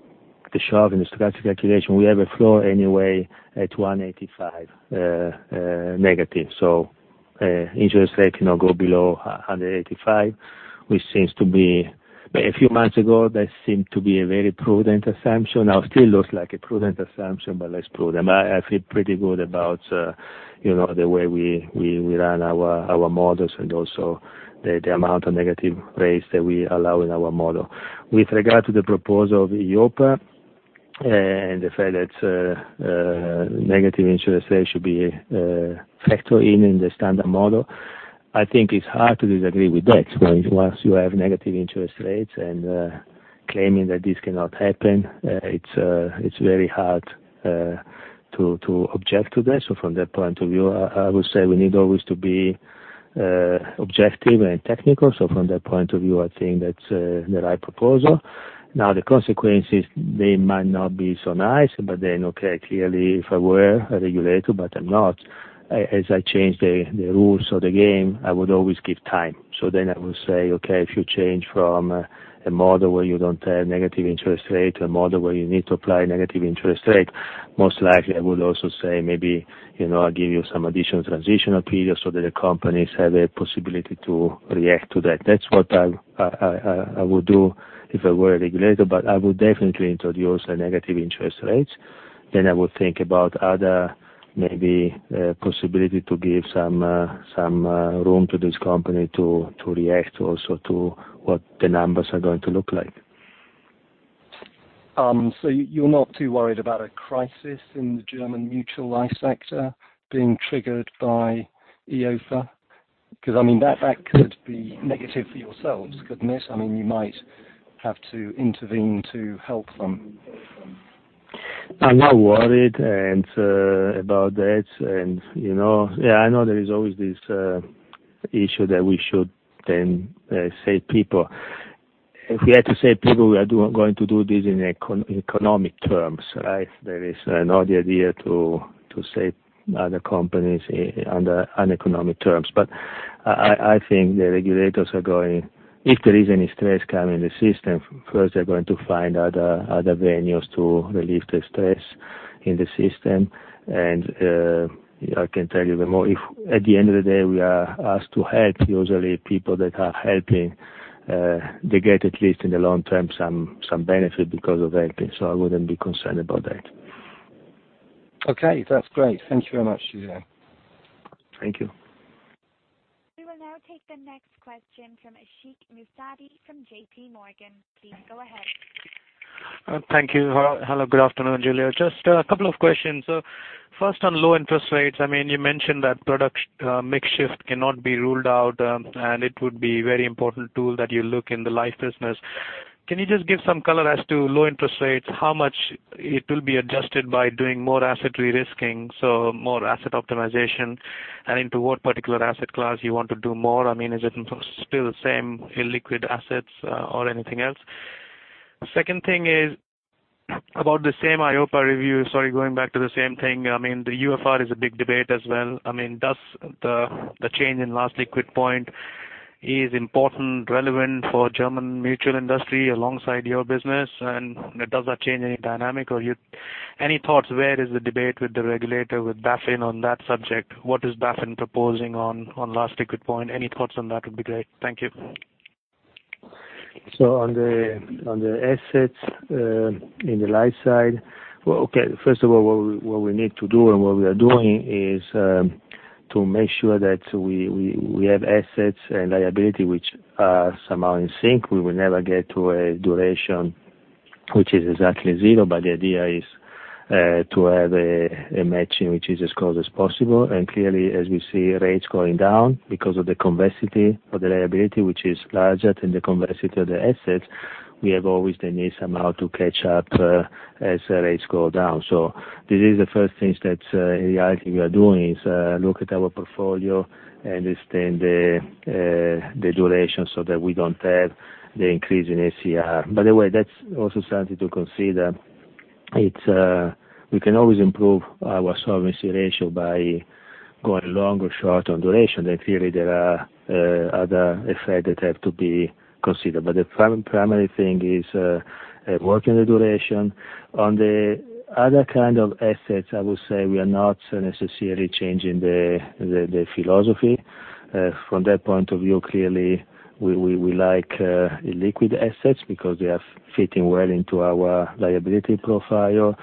and the stochastic calculation. We have a floor anyway at 185 negative. Interest rate can go below 185, which seems to be a few months ago, that seemed to be a very prudent assumption. Now it still looks like a prudent assumption, but less prudent. I feel pretty good about you know the way we run our models and also the amount of negative rates that we allow in our model. With regard to the proposal of EIOPA and the fact that negative interest rate should be factored in in the standard model, I think it's hard to disagree with that. Once you have negative interest rates and claiming that this cannot happen, it's very hard to object to that. So from that point of view, I would say we need always to be objective and technical. So from that point of view, I think that's the right proposal. Now the consequences, they might not be so nice, but then okay, clearly if I were a regulator, but I'm not, as I change the rules of the game, I would always give time. So then I would say, okay, if you change from a model where you don't have negative interest rate to a model where you need to apply negative interest rate, most likely I would also say maybe you know I'll give you some additional transitional period so that the companies have a possibility to react to that. That's what I would do if I were a regulator, but I would definitely introduce negative interest rates. Then I would think about other maybe possibility to give some room to this company to react also to what the numbers are going to look like. So you're not too worried about a crisis in the German mutual life sector being triggered by EIOPA? Because I mean, that could be negative for yourselves, couldn't it? I mean, you might have to intervene to help them. I'm not worried about that. And you know yeah, I know there is always this issue that we should then save people. If we had to save people, we are going to do this in economic terms. Right? There is no idea to save other companies on economic terms. But I think the regulators are going, if there is any stress coming in the system, first they're going to find other venues to relieve the stress in the system. And I can tell you the more if at the end of the day, we are asked to help, usually people that are helping, they get at least in the long term some benefit because of helping. So I wouldn't be concerned about that. Okay. That's great. Thank you very much, Giulio. Thank you. We will now take the next question from Ashik Musaddi from J.P. Morgan. Please go ahead. Thank you. Hello. Good afternoon, Giulio. Just a couple of questions. So first on low interest rates, I mean, you mentioned that mixed shift cannot be ruled out, and it would be very important tool that you look in the life business. Can you just give some color as to low interest rates, how much it will be adjusted by doing more asset re-risking, so more asset optimization, and into what particular asset class you want to do more? I mean, is it still the same illiquid assets or anything else? Second thing is about the same EIOPA review, sorry, going back to the same thing. I mean, the UFR is a big debate as well. I mean, does the change in Last Liquid Point is important, relevant for German mutual industry alongside your business? And does that change any dynamic or any thoughts? Where is the debate with the regulator, with BaFin on that subject? What is BaFin proposing on Last Liquid Point? Any thoughts on that would be great. Thank you. So on the assets in the life side, okay, first of all, what we need to do and what we are doing is to make sure that we have assets and liability which are somehow in sync. We will never get to a duration which is exactly zero, but the idea is to have a matching which is as close as possible. And clearly, as we see rates going down because of the complexity of the liability, which is larger than the complexity of the assets, we have always the need somehow to catch up as rates go down. So this is the first things that in reality we are doing is look at our portfolio and extend the duration so that we don't have the increase in SCR. By the way, that's also something to consider. It's we can always improve our solvency ratio by going long or short on duration. Then clearly, there are other effects that have to be considered. But the primary thing is working the duration. On the other kind of assets, I would say we are not necessarily changing the philosophy. From that point of view, clearly, we like illiquid assets because they are fitting well into our liability profile.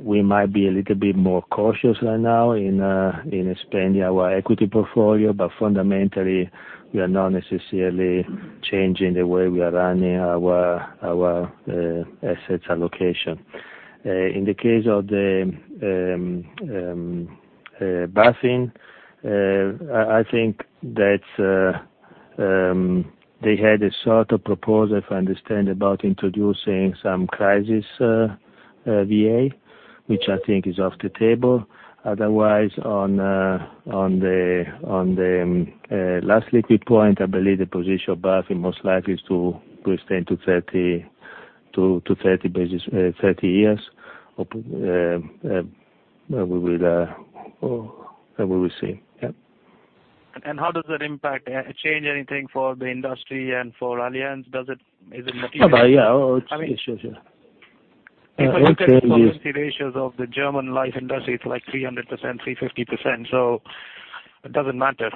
We might be a little bit more cautious right now in expanding our equity portfolio, but fundamentally, we are not necessarily changing the way we are running our asset allocation. In the case of the BaFin, I think that they had a sort of proposal for understanding about introducing some crisis VA, which I think is off the table. Otherwise, on the Last Liquid Point, I believe the position of BaFin most likely is to extend to 30 basis 30 years. We will see. Yeah. How does that impact change anything for the industry and for Allianz? Is it material? Yeah. Sure, sure. I mean, if look at the solvency ratios of the German life industry, it's like 300%, 350%, so it doesn't matter.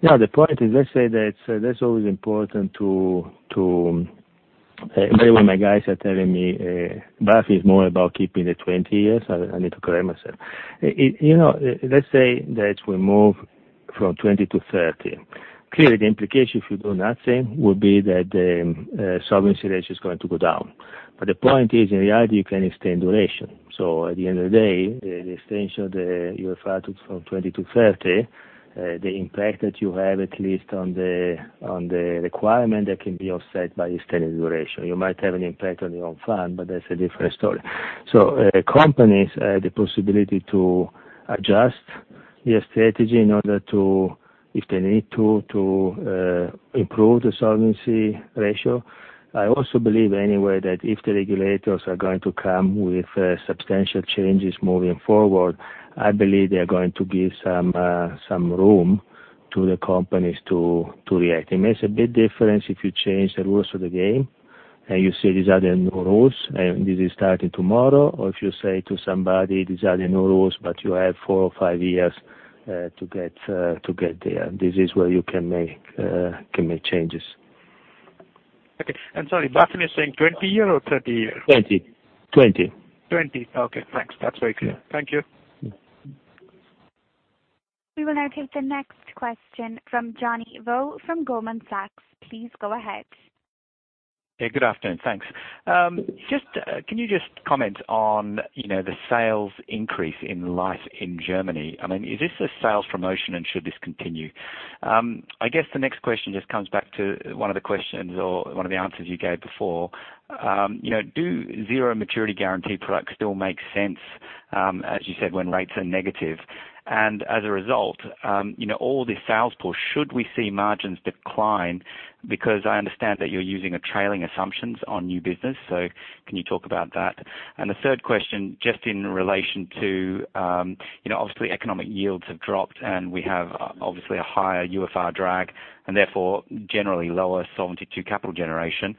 Yeah. The point is, let's say that that's always important, too, by the way. My guys are telling me BaFin is more about keeping the 20 years. I need to correct myself. You know let's say that we move from 20 to 30. Clearly, the implication if you do nothing would be that the solvency ratio is going to go down. But the point is, in reality, you can extend duration. So at the end of the day, the extension of the UFR from 20 to 30, the impact that you have, at least on the requirement, that can be offset by extending the duration. You might have an impact on your own fund, but that's a different story. So companies have the possibility to adjust their strategy in order to, if they need to, improve the solvency ratio. I also believe anyway that if the regulators are going to come with substantial changes moving forward, I believe they are going to give some room to the companies to react. It makes a big difference if you change the rules of the game and you say, "These are the new rules," and this is starting tomorrow, or if you say to somebody, "These are the new rules," but you have four or five years to get there. This is where you can make changes. Okay, and sorry, BaFin is saying 20-year or 30-year? 20. 20. Okay. Thanks. That's very clear. Thank you. We will now take the next question from Johnny Vo from Goldman Sachs. Please go ahead. Good afternoon. Thanks. Just, can you just comment on the sales increase in life in Germany? I mean, is this a sales promotion and should this continue? I guess the next question just comes back to one of the questions or one of the answers you gave before. You know do zero maturity guarantee products still make sense, as you said, when rates are negative? And as a result, you know all this sales pull, should we see margins decline? Because I understand that you're using a trailing assumptions on new business. So can you talk about that? And the third question, just in relation to you know obviously economic yields have dropped and we have obviously a higher UFR drag and therefore generally lower solvency to capital generation.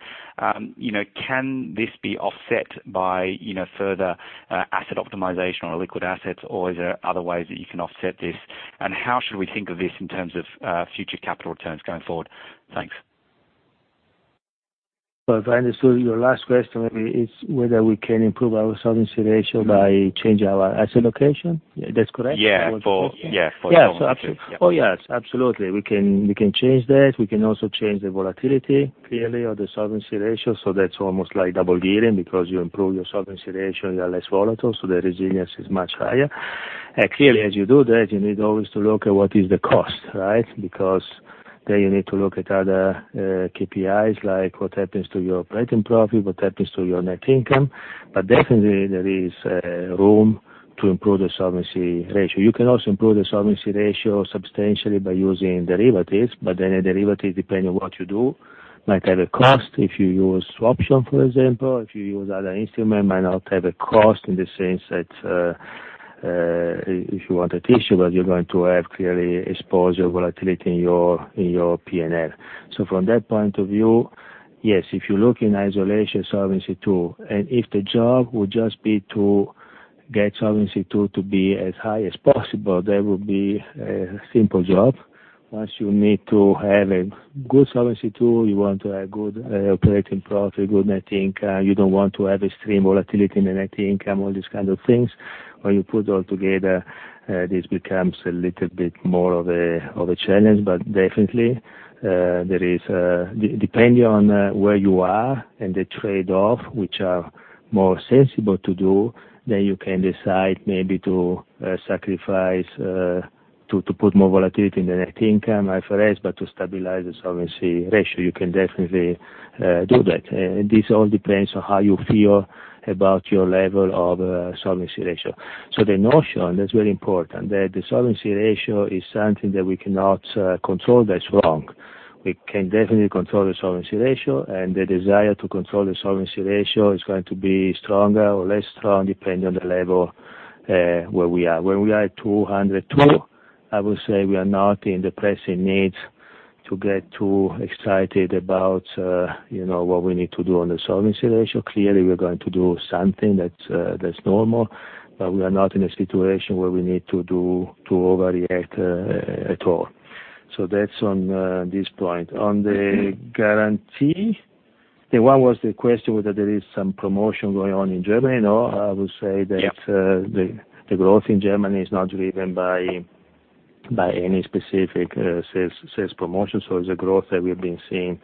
You know can this be offset by further asset optimization or liquid assets, or is there other ways that you can offset this? How should we think of this in terms of future capital returns going forward? Thanks. So if I understood your last question, it's whether we can improve our solvency ratio by changing our asset allocation. That's correct? Yeah. Yeah. For the long term. Oh, yes. Absolutely. We can change that. We can also change the volatility clearly of the solvency ratio, so that's almost like double gearing because you improve your solvency ratio, you're less volatile, so the resilience is much higher. And clearly, as you do that, you need always to look at what is the cost, right? Because then you need to look at other KPIs like what happens to your operating profit, what happens to your net income, but definitely, there is room to improve the solvency ratio. You can also improve the solvency ratio substantially by using derivatives, but then a derivative, depending on what you do, might have a cost. If you use swaption, for example, if you use other instruments, it might not have a cost in the sense that if you want to issue, but you're going to have clearly exposure volatility in your P&L. So from that point of view, yes, if you look in isolation, Solvency II, and if the job would just be to get Solvency II to be as high as possible, that would be a simple job. Once you need to have a good Solvency II, you want to have good operating profit, good net income. You don't want to have extreme volatility in the net income, all these kind of things. When you put it all together, this becomes a little bit more of a challenge, but definitely there is, depending on where you are and the trade-off which are more sensible to do, then you can decide maybe to sacrifice, to put more volatility in the net income, IFRS, but to stabilize the solvency ratio. You can definitely do that. And this all depends on how you feel about your level of solvency ratio. So the notion, that's very important, that the solvency ratio is something that we cannot control that strong. We can definitely control the solvency ratio, and the desire to control the solvency ratio is going to be stronger or less strong depending on the level where we are. When we are at 202, I would say we are not in the pressing needs to get too excited about you know what we need to do on the solvency ratio. Clearly, we're going to do something that's normal, but we are not in a situation where we need to overreact at all. So that's on this point. On the guarantee, the one was the question whether there is some promotion going on in Germany. No, I would say that the growth in Germany is not driven by any specific sales promotion. So it's a growth that we've been seeing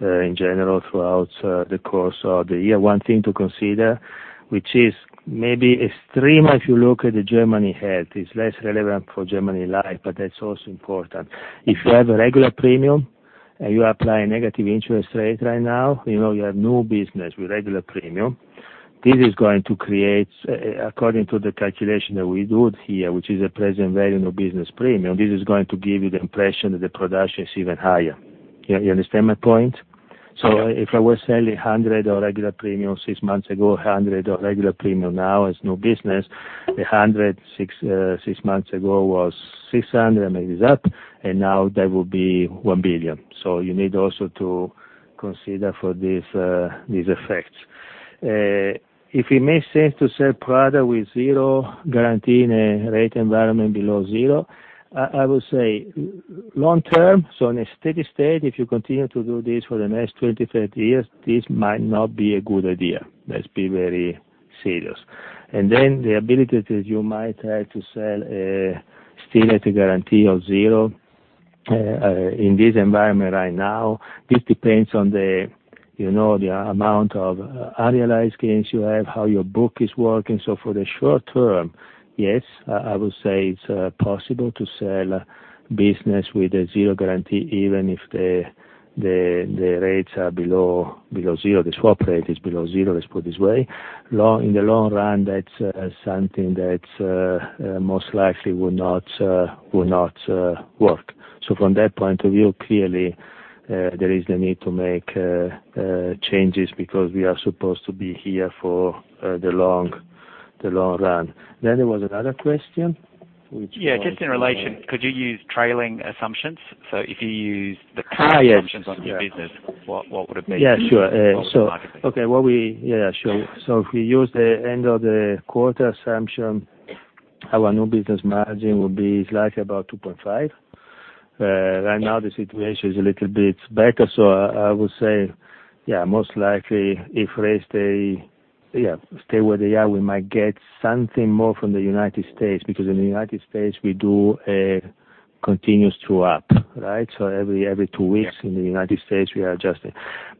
in general throughout the course of the year. One thing to consider, which is maybe extreme, if you look at the Germany health, is less relevant for Germany life, but that's also important. If you have a regular premium and you apply a negative interest rate right now, you have new business with regular premium, this is going to create, according to the calculation that we do here, which is a present value new business premium, this is going to give you the impression that the production is even higher. You understand my point? So if I was selling 100 regular premium six months ago, 100 regular premium now as new business, the 100 six months ago was 600 million, maybe, and now that will be 1 billion. You need also to consider for these effects. If it makes sense to sell product with zero guarantee in a rate environment below zero, I would say long term, so in a steady state, if you continue to do this for the next 20, 30 years, this might not be a good idea. Let's be very serious and then the ability that you might have to sell still at a guarantee of zero in this environment right now, this depends on the you know the amount of unrealized gains you have, how your book is working. So for the short term, yes, I would say it's possible to sell business with a zero guarantee even if the rates are below zero, the swap rate is below zero, let's put it this way. In the long run, that's something that most likely would not work. So from that point of view, clearly, there is the need to make changes because we are supposed to be here for the long run. Then there was another question, which. Yeah. Just in relation, could you use trailing assumptions? So if you use the current assumptions on new business, what would it be? Yeah. Sure. Okay. Yeah. Sure. So if we use the end of the quarter assumption, our new business margin would be slightly above 2.5%. Right now, the situation is a little bit better. So I would say, yeah, most likely, if rates stay yeah stay where they are, we might get something more from the United States because in the United States, we do a continuous true up, right? So every two weeks in the United States, we are adjusting.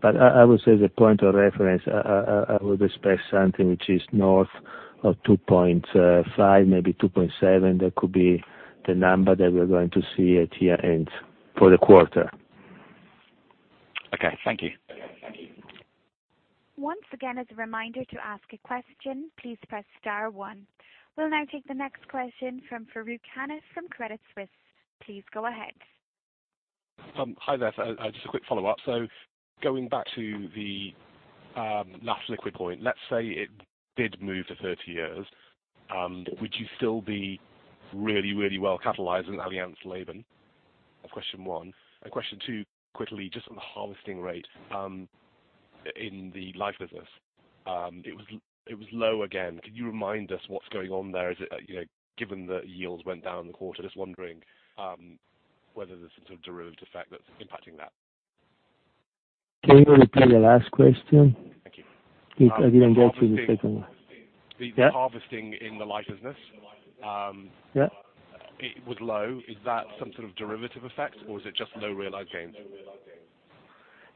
But I would say the point of reference, I would expect something which is north of 2.5%, maybe 2.7%. That could be the number that we're going to see at year end for the quarter. Okay. Thank you. Once again, as a reminder to ask a question, please press star one. We'll now take the next question from Farooq Hanif from Credit Suisse. Please go ahead. Hi, there. Just a quick follow-up. So going back to the Last Liquid Point, let's say it did move to 30 years. Would you still be really, really well capitalized in Allianz Leben? That's question one. And question two, quickly, just on the harvesting rate in the life business, it was low again. Could you remind us what's going on there? Given that yields went down in the quarter, just wondering whether there's some sort of derivative effect that's impacting that. Can you repeat the last question? Thank you. I didn't get you the second one. The harvesting in the life business, it was low. Is that some sort of derivative effect, or is it just low realized gains?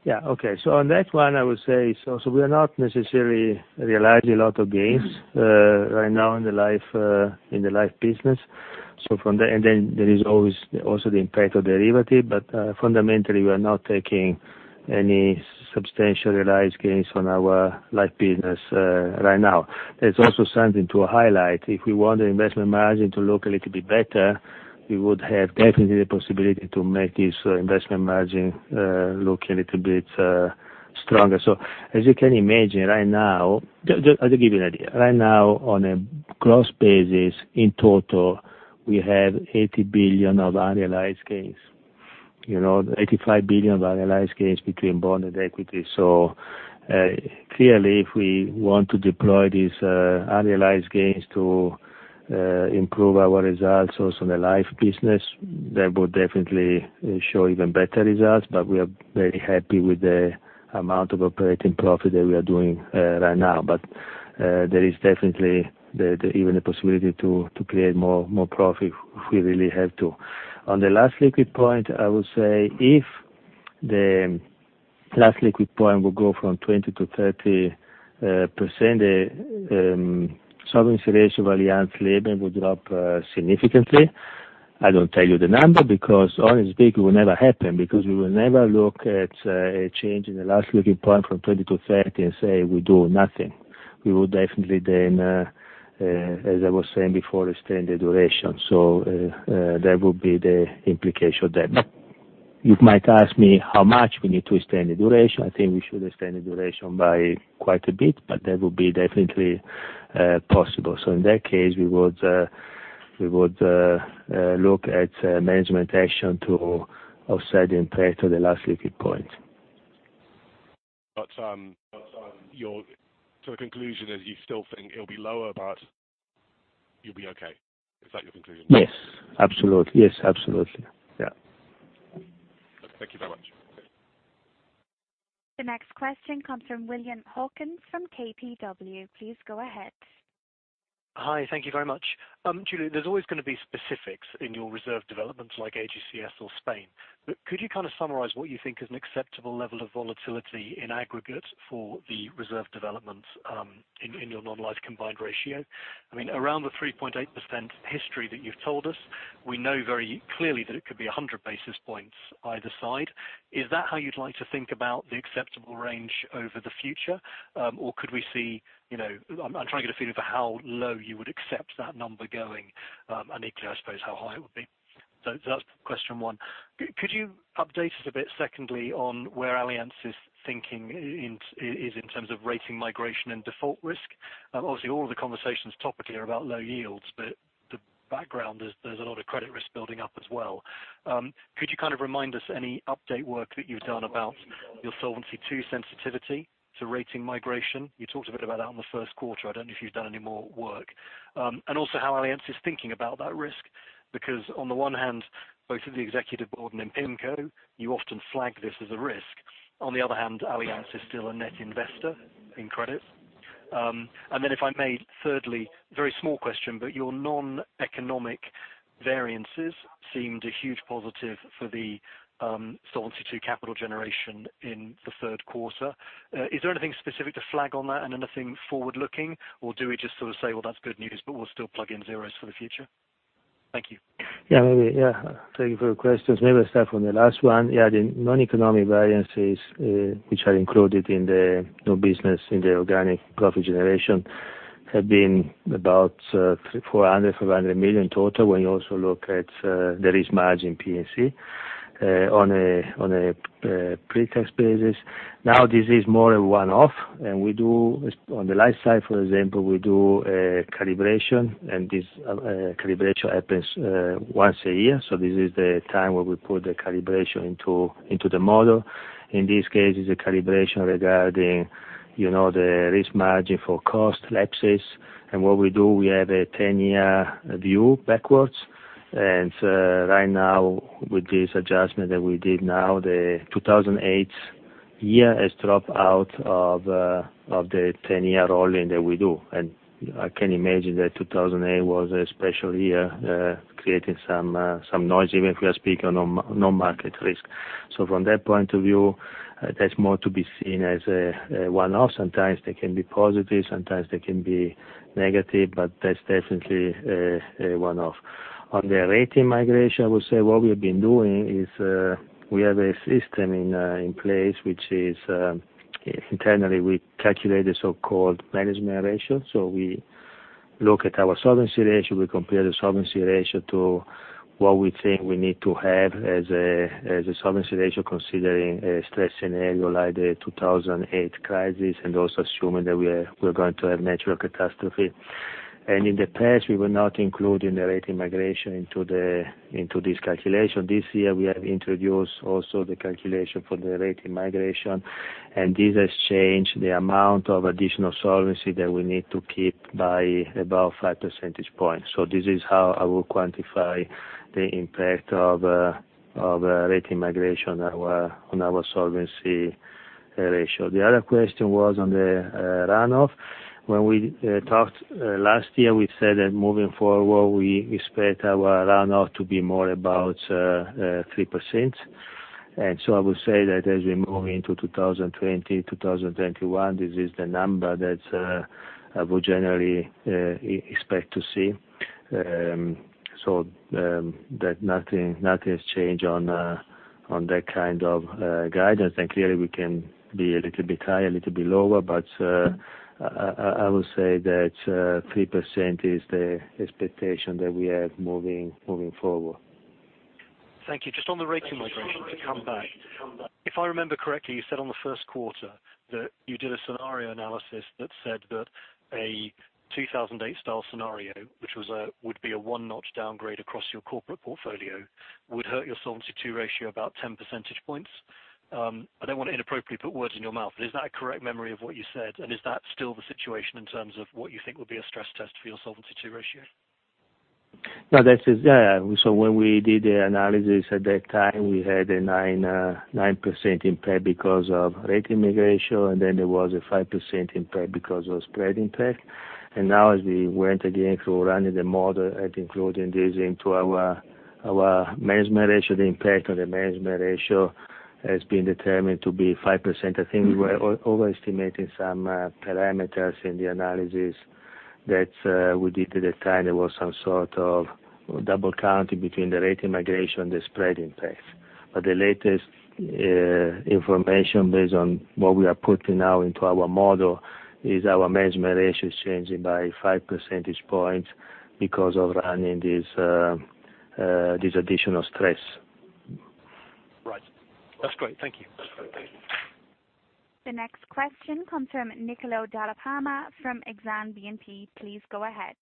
Yeah. Okay. So on that one, I would say, so we are not necessarily realizing a lot of gains right now in the life business. So from then there is always also the impact of derivatives, but fundamentally, we are not taking any substantial realized gains on our life business right now. That's also something to highlight. If we want the investment margin to look a little bit better, we would have definitely the possibility to make this investment margin look a little bit stronger. So as you can imagine right now, just to give you an idea, right now, on a gross basis, in total, we have 80 billion of unrealized gains, you know 85 billion of unrealized gains between bond and equity. So clearly, if we want to deploy these unrealized gains to improve our results also in the life business, that would definitely show even better results. But we are very happy with the amount of operating profit that we are doing right now. But there is definitely even the possibility to create more profit if we really have to. On the Last Liquid Point, I would say if the Last Liquid Point would go from 20%-30%, the solvency ratio of Allianz Leben would drop significantly. I don't tell you the number because honestly, it will never happen because we will never look at a change in the Last Liquid Point from 20%-30% and say we do nothing. We would definitely then, as I was saying before, extend the duration. So that would be the implication of that. But you might ask me how much we need to extend the duration. I think we should extend the duration by quite a bit, but that would be definitely possible. So in that case, we would look at management action to offset the impact of the Last Liquid Point. But your conclusion is you still think it'll be lower, but you'll be okay. Is that your conclusion? Yes. Absolutely. Yes. Absolutely. Yeah. Thank you very much. The next question comes from William Hawkins from KBW. Please go ahead. Hi. Thank you very much. Giulio, there's always going to be specifics in your reserve developments like AGCS or Spain. But could you kind of summarize what you think is an acceptable level of volatility in aggregate for the reserve developments in your non-life combined ratio? I mean, around the 3.8% history that you've told us, we know very clearly that it could be 100 basis points either side. Is that how you'd like to think about the acceptable range over the future, or could we see? You know I'm trying to get a feeling for how low you would accept that number going, and equally, I suppose, how high it would be. So that's question one. Could you update us a bit, secondly, on where Allianz is thinking is in terms of rating migration and default risk? Obviously, all of the conversations topically are about low yields, but the background is there's a lot of credit risk building up as well. Could you kind of remind us of any update work that you've done about your Solvency II sensitivity to rating migration? You talked a bit about that in the Q1. I don't know if you've done any more work. And also how Allianz is thinking about that risk because on the one hand, both of the executive board and PIMCO, you often flag this as a risk. On the other hand, Allianz is still a net investor in credit. And then if I may, thirdly, very small question, but your non-economic variances seemed a huge positive for the solvency to capital generation in the Q3. Is there anything specific to flag on that and anything forward-looking, or do we just sort of say, "Well, that's good news, but we'll still plug in zeros for the future"? Thank you. Yeah. Thank you for your questions. Maybe I'll start from the last one. Yeah. The non-economic variances, which are included in the new business, in the organic profit generation, have been about 400 million-500 million total when you also look at the risk margin P&C on a pre-tax basis. Now, this is more a one-off, and we do on the life side, for example, we do a calibration, and this calibration happens once a year, so this is the time where we put the calibration into the model. In this case, it's a calibration regarding you know the risk margin for cost lapses, and what we do, we have a 10-year view backwards, and so right now, with this adjustment that we did now, the 2008 year has dropped out of the 10-year rolling that we do. And I can imagine that 2008 was a special year creating some noise, even if we are speaking on non-market risk. So from that point of view, that's more to be seen as a one-off. Sometimes they can be positive. Sometimes they can be negative, but that's definitely a one-off. On the rating migration, I would say what we have been doing is we have a system in place which is internally, we calculate the so-called management ratio. So we look at our solvency ratio. We compare the solvency ratio to what we think we need to have as a solvency ratio considering a stress scenario like the 2008 crisis and also assuming that we are going to have natural catastrophe. And in the past, we were not including the rating migration into this calculation. This year, we have introduced also the calculation for the rating migration, and this has changed the amount of additional solvency that we need to keep by about 5 percentage points. So this is how I will quantify the impact of rating migration on our solvency ratio. The other question was on the runoff. When we talked last year, we said that moving forward, we expect our runoff to be more about 3%. And so I would say that as we move into 2020, 2021, this is the number that I would generally expect to see. So nothing has changed on that kind of guidance. And clearly, we can be a little bit higher, a little bit lower, but I would say that 3% is the expectation that we have moving forward. Thank you. Just on the rating migration, to come back. If I remember correctly, you said on the Q1 that you did a scenario analysis that said that a 2008-style scenario, which would be a one-notch downgrade across your corporate portfolio, would hurt your solvency ratio about 10 percentage points. I don't want to inappropriately put words in your mouth, but is that a correct memory of what you said? And is that still the situation in terms of what you think would be a stress test for your solvency ratio? Yeah. So when we did the analysis at that time, we had a 9% impact because of rating migration, and then there was a 5% impact because of spread impact. And now, as we went again through running the model and including this into our management ratio, the impact on the management ratio has been determined to be 5%. I think we were overestimating some parameters in the analysis that we did at that time. There was some sort of double counting between the rating migration and the spread impact. But the latest information based on what we are putting now into our model is our management ratio is changing by 5 percentage points because of running this additional stress. Right. That's great. Thank you. The next question comes from Niccolò Dalla Palma from Exane BNP Paribas. Please go ahead.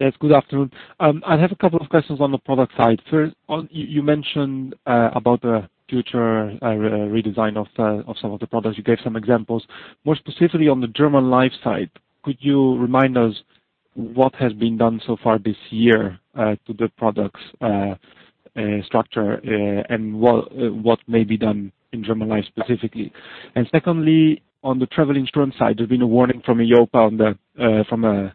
Yes. Good afternoon. I have a couple of questions on the product side. First, you mentioned about the future redesign of some of the products. You gave some examples. More specifically, on the German life side, could you remind us what has been done so far this year to the product's structure and what may be done in German life specifically? And secondly, on the travel insurance side, there's been a warning from EIOPA from a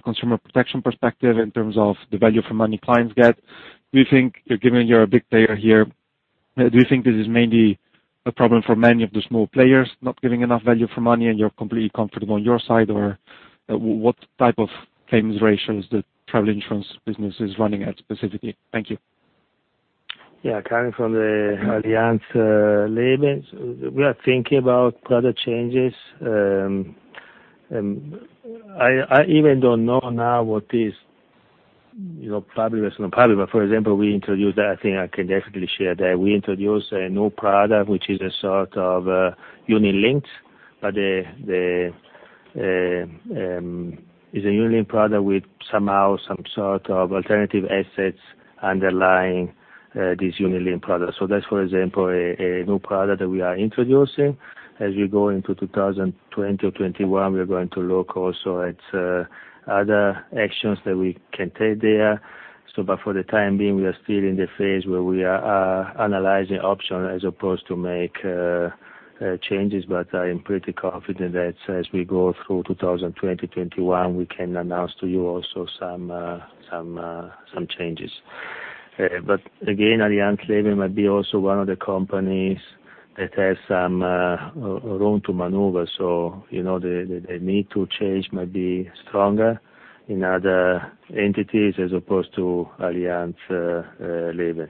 consumer protection perspective in terms of the value for money clients get. Do you think, given you're a big player here, do you think this is mainly a problem for many of the small players not giving enough value for money, and you're completely comfortable on your side, or what type of claims ratios the travel insurance business is running at specifically? Thank you. Yeah. Coming from the Allianz Leben, we are thinking about product changes. I even don't know now what is you know probably based on the public, but for example, we introduced. I think I can definitely share that. We introduced a new product which is a sort of unit-linked, but it's a unit-linked product with somehow some sort of alternative assets underlying this unit-linked product. So that's, for example, a new product that we are introducing. As we go into 2020 or 2021, we're going to look also at other actions that we can take there. So but for the time being, we are still in the phase where we are analyzing options as opposed to make changes, but I am pretty confident that as we go through 2020, 2021, we can announce to you also some changes. But again, Allianz Leben might be also one of the companies that has some room to maneuver. So you know the need to change might be stronger in other entities as opposed to Allianz Leben.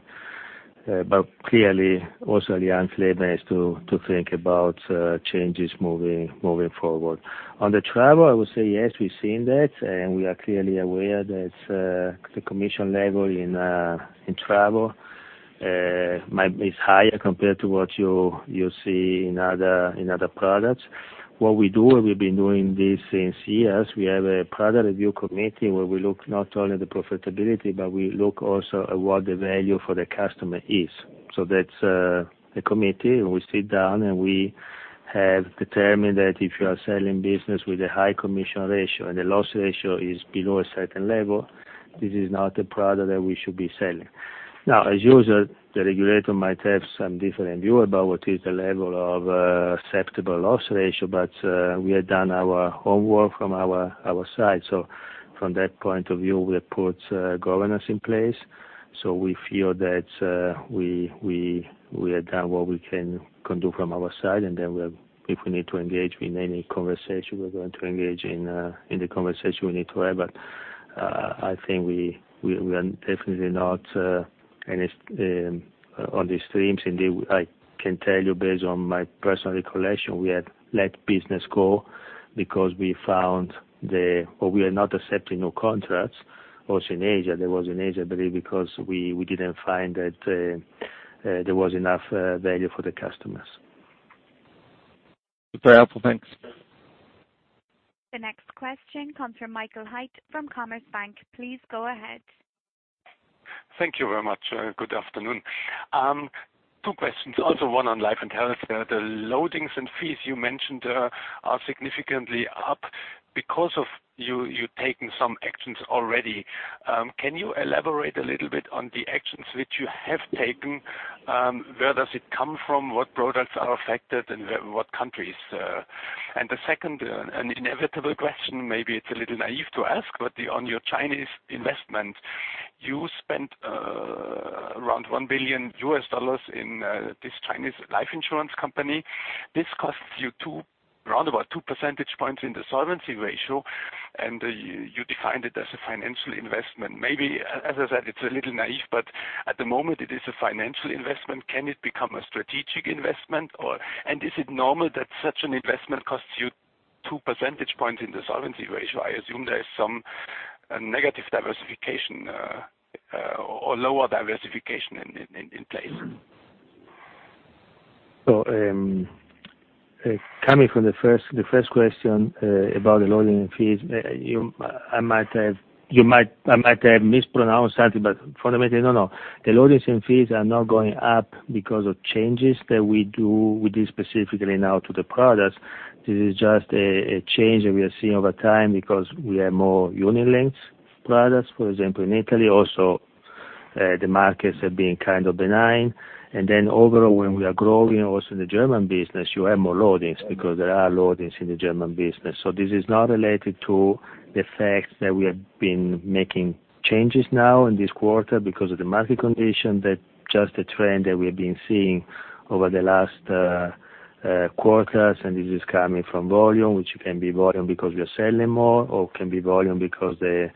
But clearly, also Allianz Leben has to think about changes moving forward. On the travel, I would say yes, we've seen that, and we are clearly aware that the commission level in travel might be higher compared to what you see in other products. What we do, and we've been doing this since years, we have a product review committee where we look not only at the profitability, but we look also at what the value for the customer is. So that's a committee, and we sit down, and we have determined that if you are selling business with a high commission ratio and the loss ratio is below a certain level, this is not a product that we should be selling. Now, as usual, the regulator might have some different view about what is the level of acceptable loss ratio, but we have done our homework from our side. So from that point of view, we have put governance in place. So we feel that we have done what we can do from our side, and then if we need to engage in any conversation, we're going to engage in the conversation we need to have. But I think we are definitely not on these extremes. Indeed, I can tell you based on my personal recollection, we have let business go because we found that we are not accepting new contracts. Also, in Asia, there was an Asian ban because we didn't find that there was enough value for the customers. Very helpful. Thanks. The next question comes from Michael Haid from COMMERZBANK. Please go ahead. Thank you very much. Good afternoon. Two questions. Also, one on life and health. The loadings and fees you mentioned are significantly up because of you taking some actions already. Can you elaborate a little bit on the actions which you have taken? Where does it come from? What products are affected, and what countries? And the second, an inevitable question, maybe it's a little naive to ask, but on your Chinese investment, you spent around $1 billion in this Chinese life insurance company. This costs you around about 2 percentage points in the solvency ratio, and you defined it as a financial investment. Maybe, as I said, it's a little naive, but at the moment, it is a financial investment. Can it become a strategic investment? And is it normal that such an investment costs you 2 percentage points in the solvency ratio? I assume there's some negative diversification or lower diversification in place. So coming from the first question about the loadings and fees, I might have mispronounced something, but fundamentally, no, no. The loadings and fees are not going up because of changes that we do with this specifically now to the products. This is just a change that we are seeing over time because we have more unit-linked products. For example, in Italy, also, the markets have been kind of benign. And then overall, when we are growing, also in the German business, you have more loadings because there are loadings in the German business. So this is not related to the fact that we have been making changes now in this quarter because of the market condition, but just the trend that we have been seeing over the last quarters. And this is coming from volume, which can be volume because we are selling more, or can be volume because the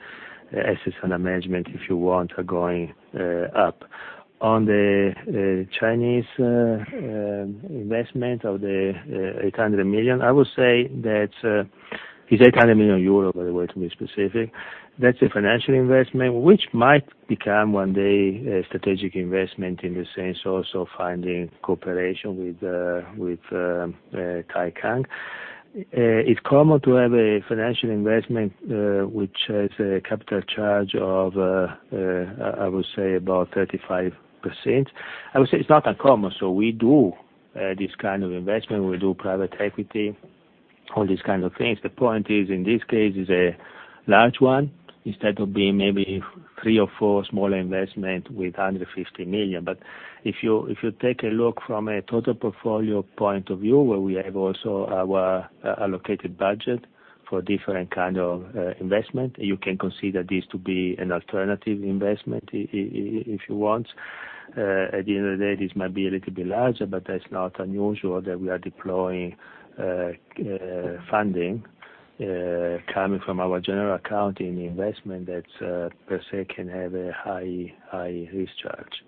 assets under management, if you want, are going up. On the Chinese investment of the 800 million, I would say that it's 800 million euro, by the way, to be specific. That's a financial investment, which might become one day a strategic investment in the sense also of finding cooperation with Taikang. It's common to have a financial investment which has a capital charge of, I would say, about 35%. I would say it's not uncommon. So we do this kind of investment. We do private equity, all these kind of things. The point is, in this case, it's a large one instead of being maybe three or four smaller investments with under 150 million. But if you take a look from a total portfolio point of view, where we have also our allocated budget for different kinds of investment, you can consider this to be an alternative investment if you want. At the end of the day, this might be a little bit larger, but that's not unusual that we are deploying funding coming from our general account in investment that per se can have a high risk charge.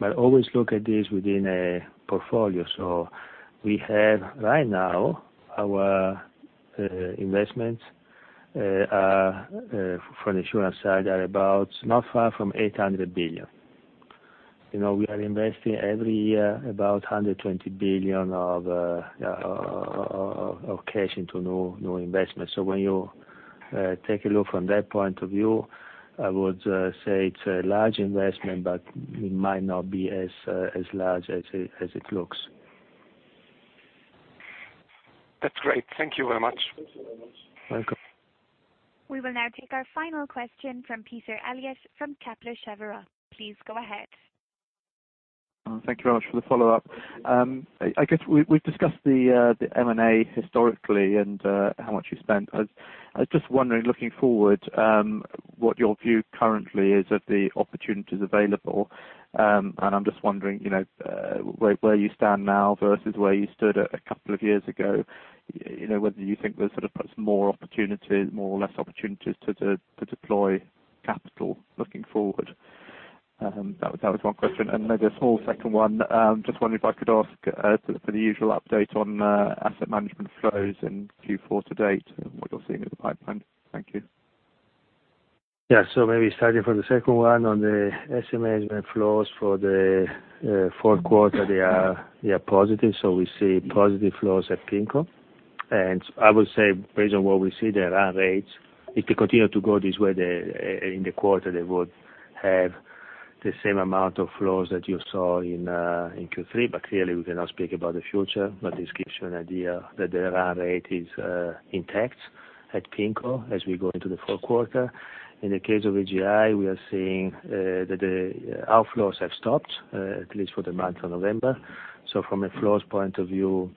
But always look at this within a portfolio. So we have right now, our investments for the insurance side are about not far from 800 billion. You know we are investing every year about 120 billion of cash into new investments. So when you take a look from that point of view, I would say it's a large investment, but it might not be as large as it looks. That's great. Thank you very much. Welcome. We will now take our final question from Peter Eliot from Kepler Cheuvreux. Please go ahead. Thank you very much for the follow-up. I guess we've discussed the M&A historically and how much you spent. I was just wondering, looking forward, what your view currently is of the opportunities available, and I'm just wondering you know where you stand now versus where you stood a couple of years ago, you know whether you think there's sort of more opportunities, more or less opportunities to deploy capital looking forward. That was one question, and maybe a small second one, just wondering if I could ask for the usual update on asset management flows in Q4 to date and what you're seeing in the pipeline. Thank you. Yeah. So maybe starting from the second one on the asset management flows for the Q4, they are positive. So we see positive flows at PIMCO. And I would say based on what we see, the run rates, if they continue to go this way in the quarter, they would have the same amount of flows that you saw in Q3. But clearly, we cannot speak about the future, but this gives you an idea that the run rate is intact at PIMCO as we go into the Q4. In the case of AGI, we are seeing that out flows have stopped, at least for the month of November. So from a flows point of view,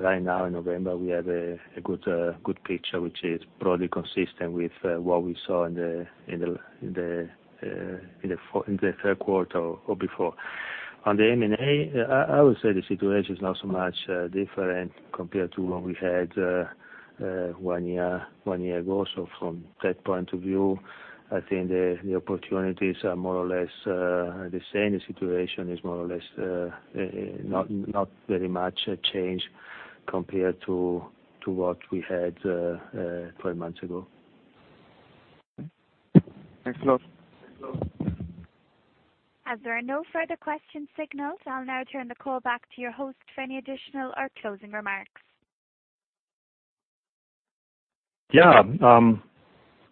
right now in November, we have a good picture, which is probably consistent with what we saw in the Q3 or before. On the M&A, I would say the situation is not so much different compared to what we had one year ago. So from that point of view, I think the opportunities are more or less the same. The situation is more or less not very much changed compared to what we had 12 months ago. Thanks, Giulio. As there are no further questions signaled, I'll now turn the call back to your host for any additional or closing remarks. Yeah.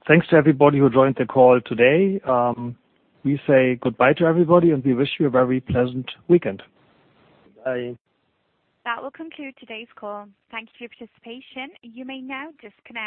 Thanks to everybody who joined the call today. We say goodbye to everybody, and we wish you a very pleasant weekend. Bye. That will conclude today's call. Thank you for your participation. You may now disconnect.